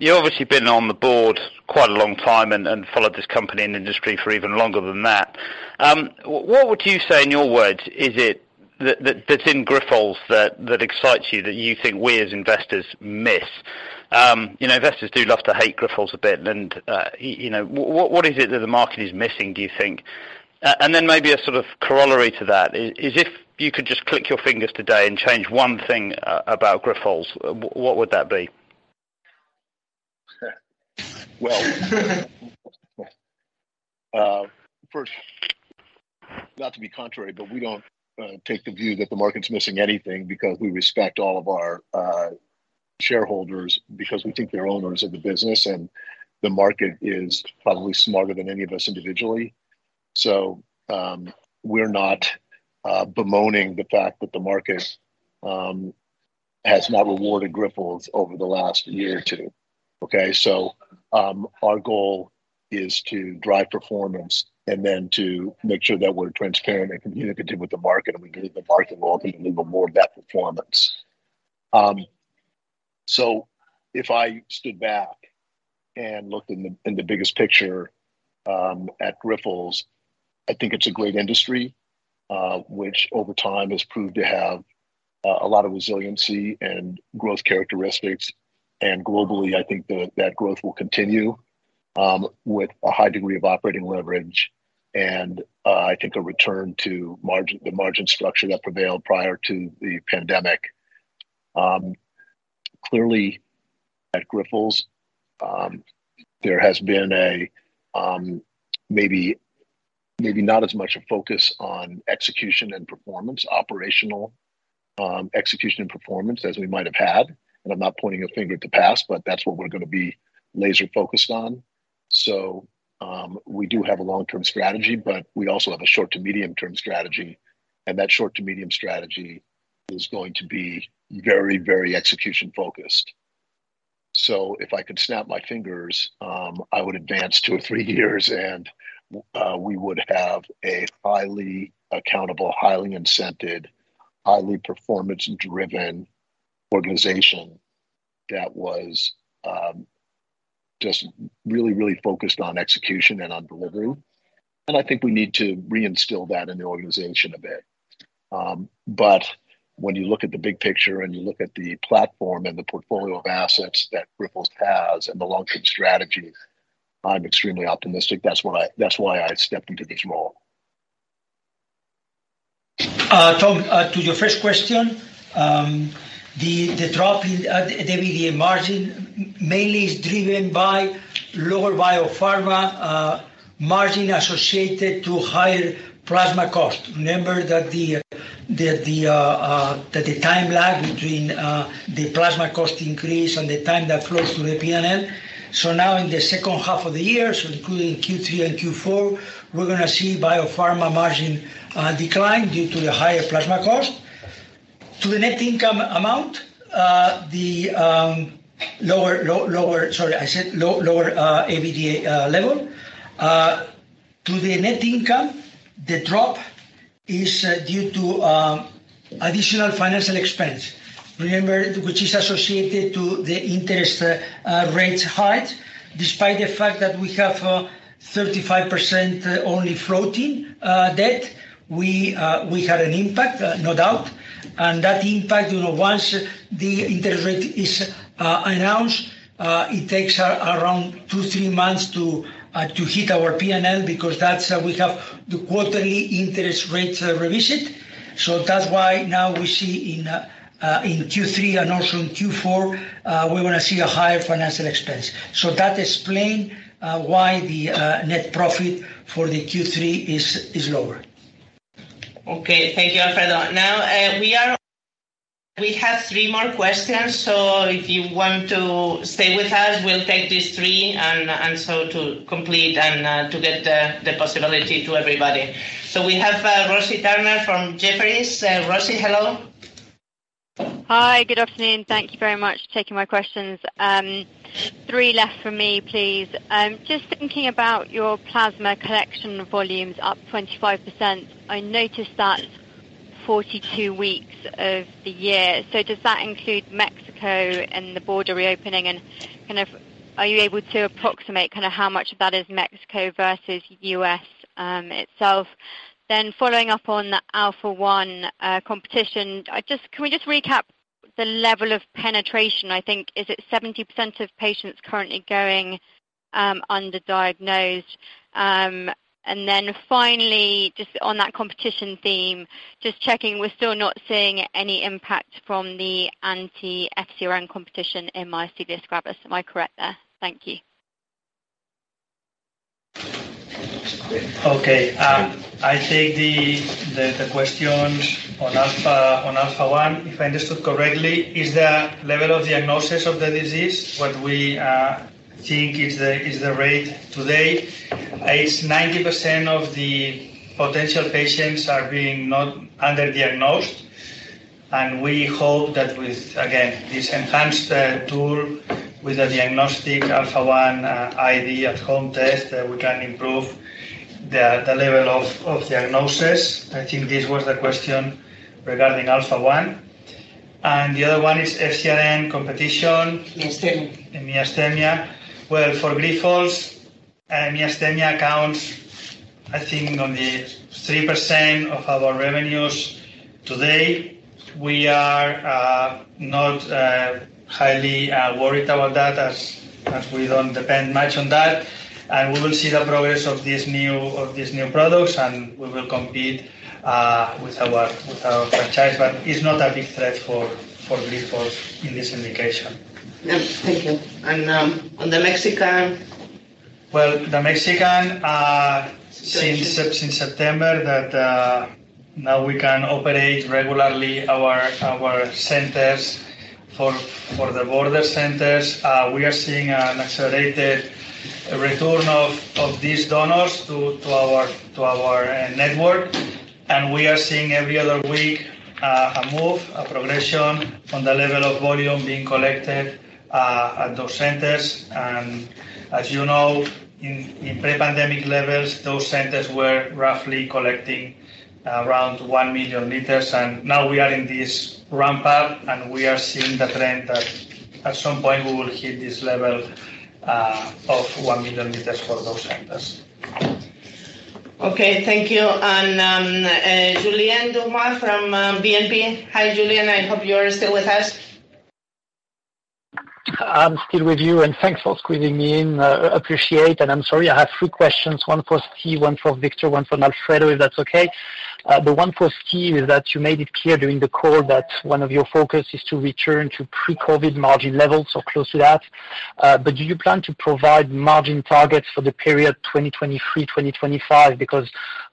You've obviously been on the board quite a long time and followed this company and industry for even longer than that. What would you say, in your words, is it that's in Grifols that excites you, that you think we as investors miss? Investors do love to hate Grifols a bit. What is it that the market is missing, do you think? Maybe a sort of corollary to that is if you could just click your fingers today and change one thing about Grifols, what would that be? Well. First, not to be contrary, but we don't take the view that the market's missing anything because we respect all of our shareholders, because we think they're owners of the business, and the market is probably smarter than any of us individually. We're not bemoaning the fact that the market has not rewarded Grifols over the last year or two. Okay, our goal is to drive performance and then to make sure that we're transparent and communicative with the market, and we believe the market will ultimately reward that performance. If I stood back and looked in the biggest picture at Grifols, I think it's a great industry, which over time has proved to have a lot of resiliency and growth characteristics. Globally, I think that growth will continue with a high degree of operating leverage and I think a return to the margin structure that prevailed prior to the pandemic. Clearly, at Grifols, there has been maybe not as much a focus on execution and performance, operational execution and performance as we might have had. I'm not pointing a finger at the past, but that's what we're going to be laser focused on. We do have a long-term strategy, but we also have a short to medium term strategy. That short to medium strategy is going to be very execution focused. If I could snap my fingers, I would advance two or three years and we would have a highly accountable, highly incented, highly performance-driven organization that was just really focused on execution and on delivery. I think we need to reinstill that in the organization a bit. When you look at the big picture and you look at the platform and the portfolio of assets that Grifols has and the long-term strategy, I'm extremely optimistic. That's why I stepped into this role. Tom, to your first question, the drop in the EBITDA margin mainly is driven by lower Biopharma margin associated to higher plasma cost. Remember that the time lag between the plasma cost increase and the time that flows through the P&L. Now in the second half of the year, including Q3 and Q4, we're going to see Biopharma margin decline due to the higher plasma cost. To the net income amount. Sorry, I said lower EBITDA level. To the net income, the drop is due to additional financial expense. Remember, which is associated to the interest rates hike. Despite the fact that we have 35% only floating debt, we had an impact, no doubt. That impact, once the interest rate is announced, it takes around two, three months to hit our P&L because that's how we have the quarterly interest rates revision. That's why now we see in Q3 and also in Q4, we're going to see a higher financial expense. That explains why the net profit for the Q3 is lower. Thank you, Alfredo. We have three more questions, if you want to stay with us, we'll take these three, to complete and to get the possibility to everybody. We have Rosie Turner from Jefferies. Rosie, hello. Hi. Good afternoon. Thank you very much for taking my questions. Three left from me, please. Just thinking about your plasma collection volumes up 25%, I noticed that's 42 weeks of the year. Does that include Mexico and the border reopening, and are you able to approximate how much of that is Mexico versus U.S. itself? Following up on the Alpha-1 competition, can we just recap the level of penetration, I think, is it 70% of patients currently going under-diagnosed? Finally, just on that competition theme, just checking we're still not seeing any impact from the anti-FcRn competition in myasthenia gravis. Am I correct there? Thank you. Okay. I take the questions on Alpha-1. If I understood correctly, is the level of diagnosis of the disease what we think is the rate today? It's 90% of the potential patients are being not under-diagnosed. We hope that with, again, this enhanced tool with a diagnostic Alpha-1 IG at-home test, that we can improve the level of diagnosis. I think this was the question regarding Alpha-1. The other one is FcRn competition- Myasthenia in myasthenia. Well, for Grifols, myasthenia accounts, I think, on the 3% of our revenues today. We are not highly worried about that as we don't depend much on that. We will see the progress of these new products, and we will compete with our franchise, but it's not a big threat for Grifols in this indication. Yeah. Thank you. On the Mexican? Well, the Mexican, since September that now we can operate regularly our centers for the border centers. We are seeing an accelerated return of these donors to our network. We are seeing every other week, a move, a progression on the level of volume being collected at those centers. As you know, in pre-pandemic levels, those centers were roughly collecting around 1 million liters. Now we are in this ramp up, we are seeing the trend that at some point, we will hit this level of 1 million liters for those centers. Okay. Thank you. Julien Dumas from BNP. Hi, Julien. I hope you're still with us. I'm still with you, thanks for squeezing me in. Appreciate, I'm sorry I have three questions. One for Steve, one for Victor, one for Alfredo, if that's okay. The one for Steve is that you made it clear during the call that one of your focus is to return to pre-COVID-19 margin levels or close to that. Do you plan to provide margin targets for the period 2023, 2025?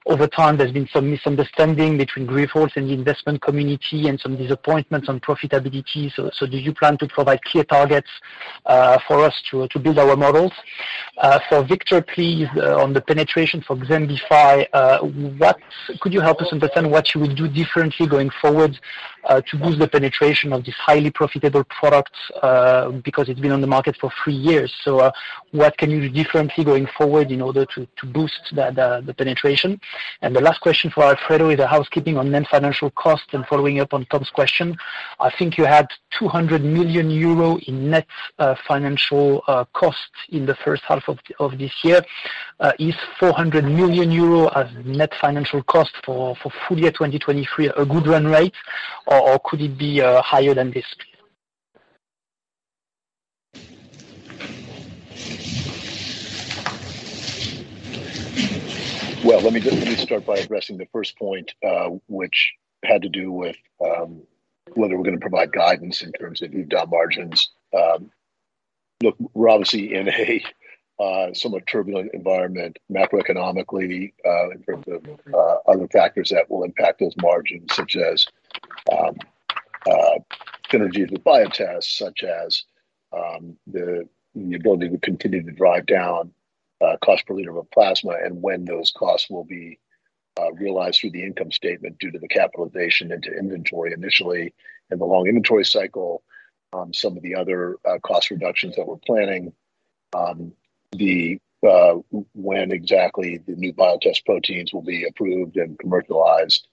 Over time, there's been some misunderstanding between Grifols and the investment community and some disappointments on profitability. Do you plan to provide clear targets for us to build our models? For Victor, please, on the penetration for XEMBIFY, could you help us understand what you will do differently going forward to boost the penetration of this highly profitable product? What can you do differently going forward in order to boost the penetration? The last question for Alfredo is a housekeeping on net financial cost and following up on Tom's question. I think you had 200 million euro in net financial costs in the first half of this year. Is 400 million euro of net financial cost for full year 2023 a good run rate, or could it be higher than this? Well, let me start by addressing the first point, which had to do with whether we're going to provide guidance in terms of EBITDA margins. Look, we're obviously in a somewhat turbulent environment macroeconomically, in terms of other factors that will impact those margins, such as synergies with Biotest, such as the ability to continue to drive down cost per liter of plasma, and when those costs will be realized through the income statement due to the capitalization into inventory initially and the long inventory cycle. Some of the other cost reductions that we're planning, when exactly the new Biotest proteins will be approved and commercialized.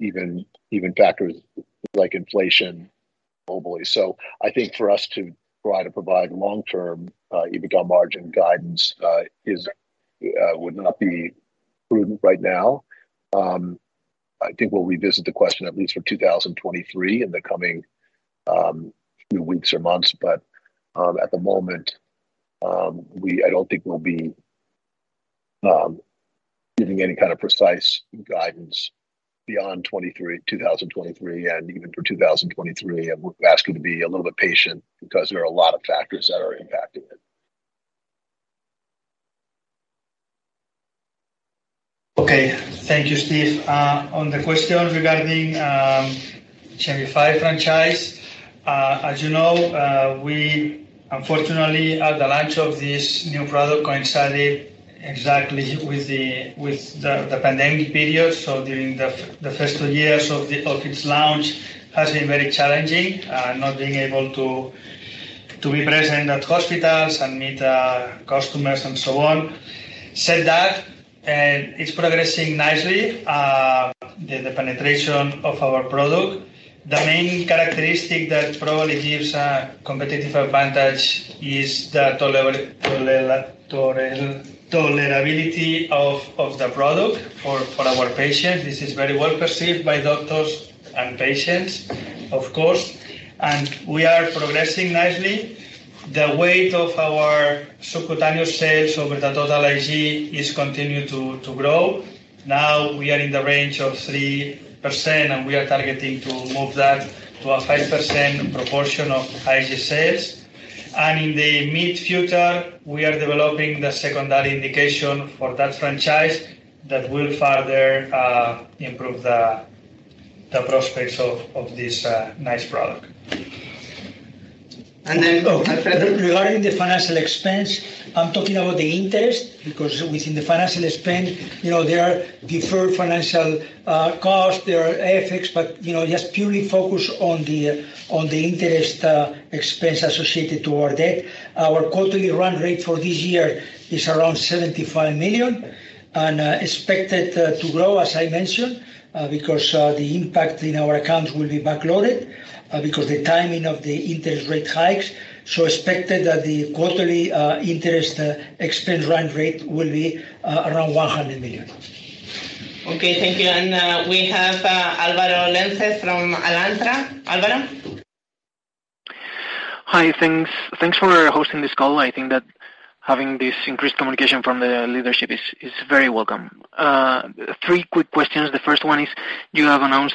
Even factors like inflation globally. I think for us to try to provide long-term EBITDA margin guidance would not be prudent right now. I think we'll revisit the question at least for 2023 in the coming few weeks or months. At the moment I don't think we'll be giving any kind of precise guidance beyond 2023 and even for 2023. We're asking to be a little bit patient because there are a lot of factors that are impacting it. Okay. Thank you, Steve. On the question regarding XEMBIFY franchise, as you know, unfortunately, the launch of this new product coincided exactly with the pandemic period. During the first two years of its launch, has been very challenging, not being able to be present at hospitals and meet customers and so on. Said that, it's progressing nicely, the penetration of our product. The main characteristic that probably gives a competitive advantage is the tolerability of the product for our patients. This is very well perceived by doctors and patients, of course. We are progressing nicely. The weight of our subcutaneous sales over the total IG is continuing to grow. Now we are in the range of 3%, and we are targeting to move that to a 5% proportion of IG sales. In the mid-future, we are developing the secondary indication for that franchise that will further improve the prospects of this nice product. Regarding the financial expense, I'm talking about the interest, because within the financial expense, there are deferred financial costs, there are FX, but just purely focus on the interest expense associated to our debt. Our quarterly run rate for this year is around 75 million, and expected to grow, as I mentioned, because the impact in our accounts will be backloaded because the timing of the interest rate hikes. Expected that the quarterly interest expense run rate will be around EUR 100 million. Okay, thank you. We have Álvaro Lenze from Alantra. Alvaro? Hi, thanks for hosting this call. I think that having this increased communication from the leadership is very welcome. Three quick questions. The first one is, you have announced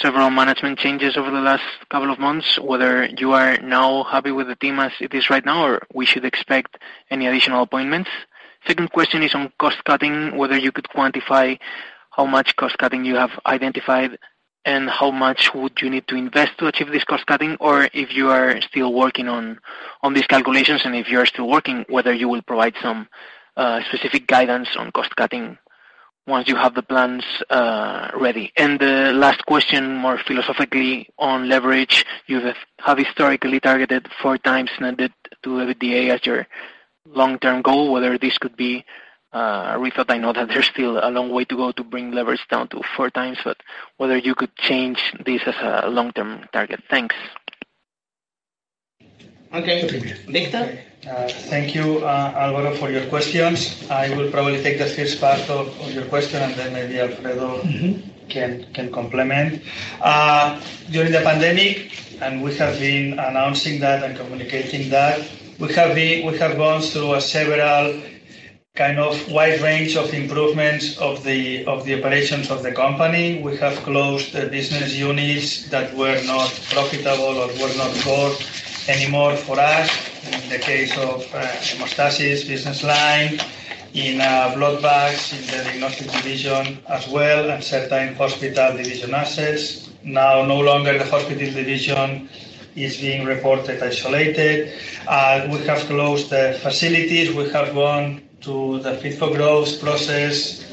several management changes over the last couple of months, whether you are now happy with the team as it is right now, or we should expect any additional appointments? Second question is on cost-cutting, whether you could quantify how much cost-cutting you have identified, and how much would you need to invest to achieve this cost-cutting, or if you are still working on these calculations. If you are still working, whether you will provide some specific guidance on cost-cutting once you have the plans ready. The last question, more philosophically, on leverage. You have historically targeted four times net debt to EBITDA as your long-term goal, whether this could be rethought. I know that there's still a long way to go to bring leverage down to four times, whether you could change this as a long-term target. Thanks. Okay. Víctor? Thank you, Álvaro, for your questions. I will probably take the first part of your question, then maybe Alfredo can complement. During the pandemic, we have been announcing that and communicating that, we have gone through a several kind of wide range of improvements of the operations of the company. We have closed the business units that were not profitable or were not core anymore for us. In the case of hemostasis business line, in blood bags, in the diagnostic division as well, and certain hospital division assets. Now no longer the hospital division is being reported isolated. We have closed the facilities. We have gone to the fit for growth process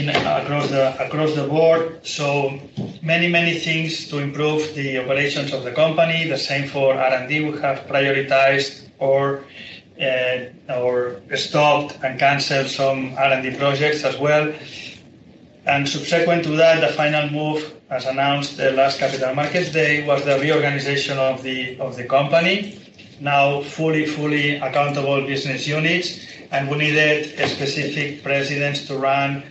across the board. Many, many things to improve the operations of the company. The same for R&D. We have prioritized or stopped and canceled some R&D projects as well. Subsequent to that, the final move, as announced the last Capital Markets Day, was the reorganization of the company. Now fully accountable business units, and we needed specific presidents to run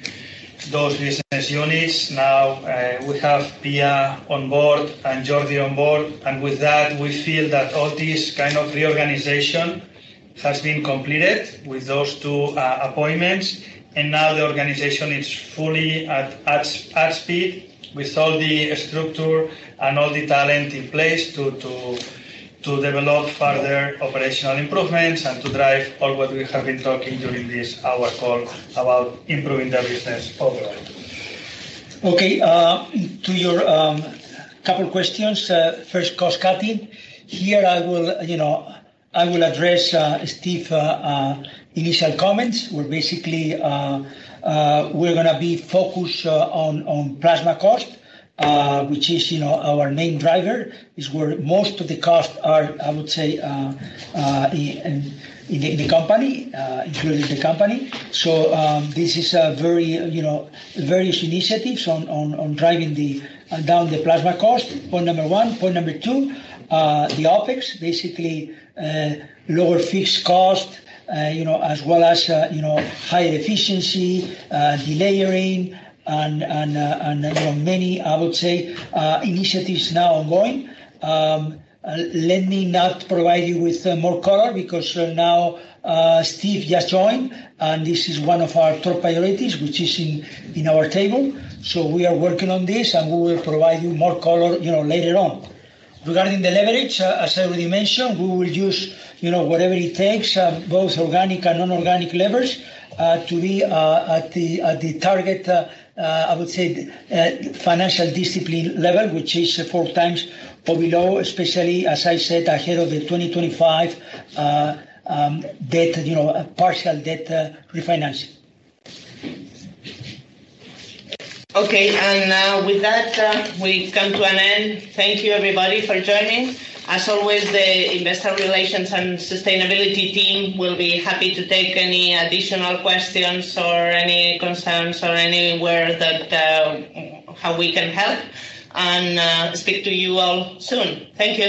those business units. Now we have Pia on board and Jordi on board. With that, we feel that all this kind of reorganization has been completed with those two appointments. Now the organization is fully at speed with all the structure and all the talent in place to develop further operational improvements and to drive all what we have been talking during this hour call about improving the business overall. Okay. To your couple questions. First, cost-cutting. Here, I will address Steve initial comments, where basically we're going to be focused on plasma cost, which is our main driver. Is where most of the costs are, I would say, in the company including the company. This is various initiatives on driving down the plasma cost, point number 1. Point number 2, the OpEx. Basically, lower fixed cost, as well as higher efficiency, delayering, and many, I would say, initiatives now ongoing. Let me not provide you with more color because now Steve just joined, and this is one of our top priorities, which is in our table. We are working on this, and we will provide you more color later on. Regarding the leverage, as Alfredo mentioned, we will use whatever it takes, both organic and non-organic levers to be at the target, I would say, financial discipline level, which is four times or below, especially, as I said, ahead of the 2025 partial debt refinancing. Okay. With that, we come to an end. Thank you everybody for joining. As always, the investor relations and sustainability team will be happy to take any additional questions or any concerns or anywhere how we can help, and speak to you all soon. Thank you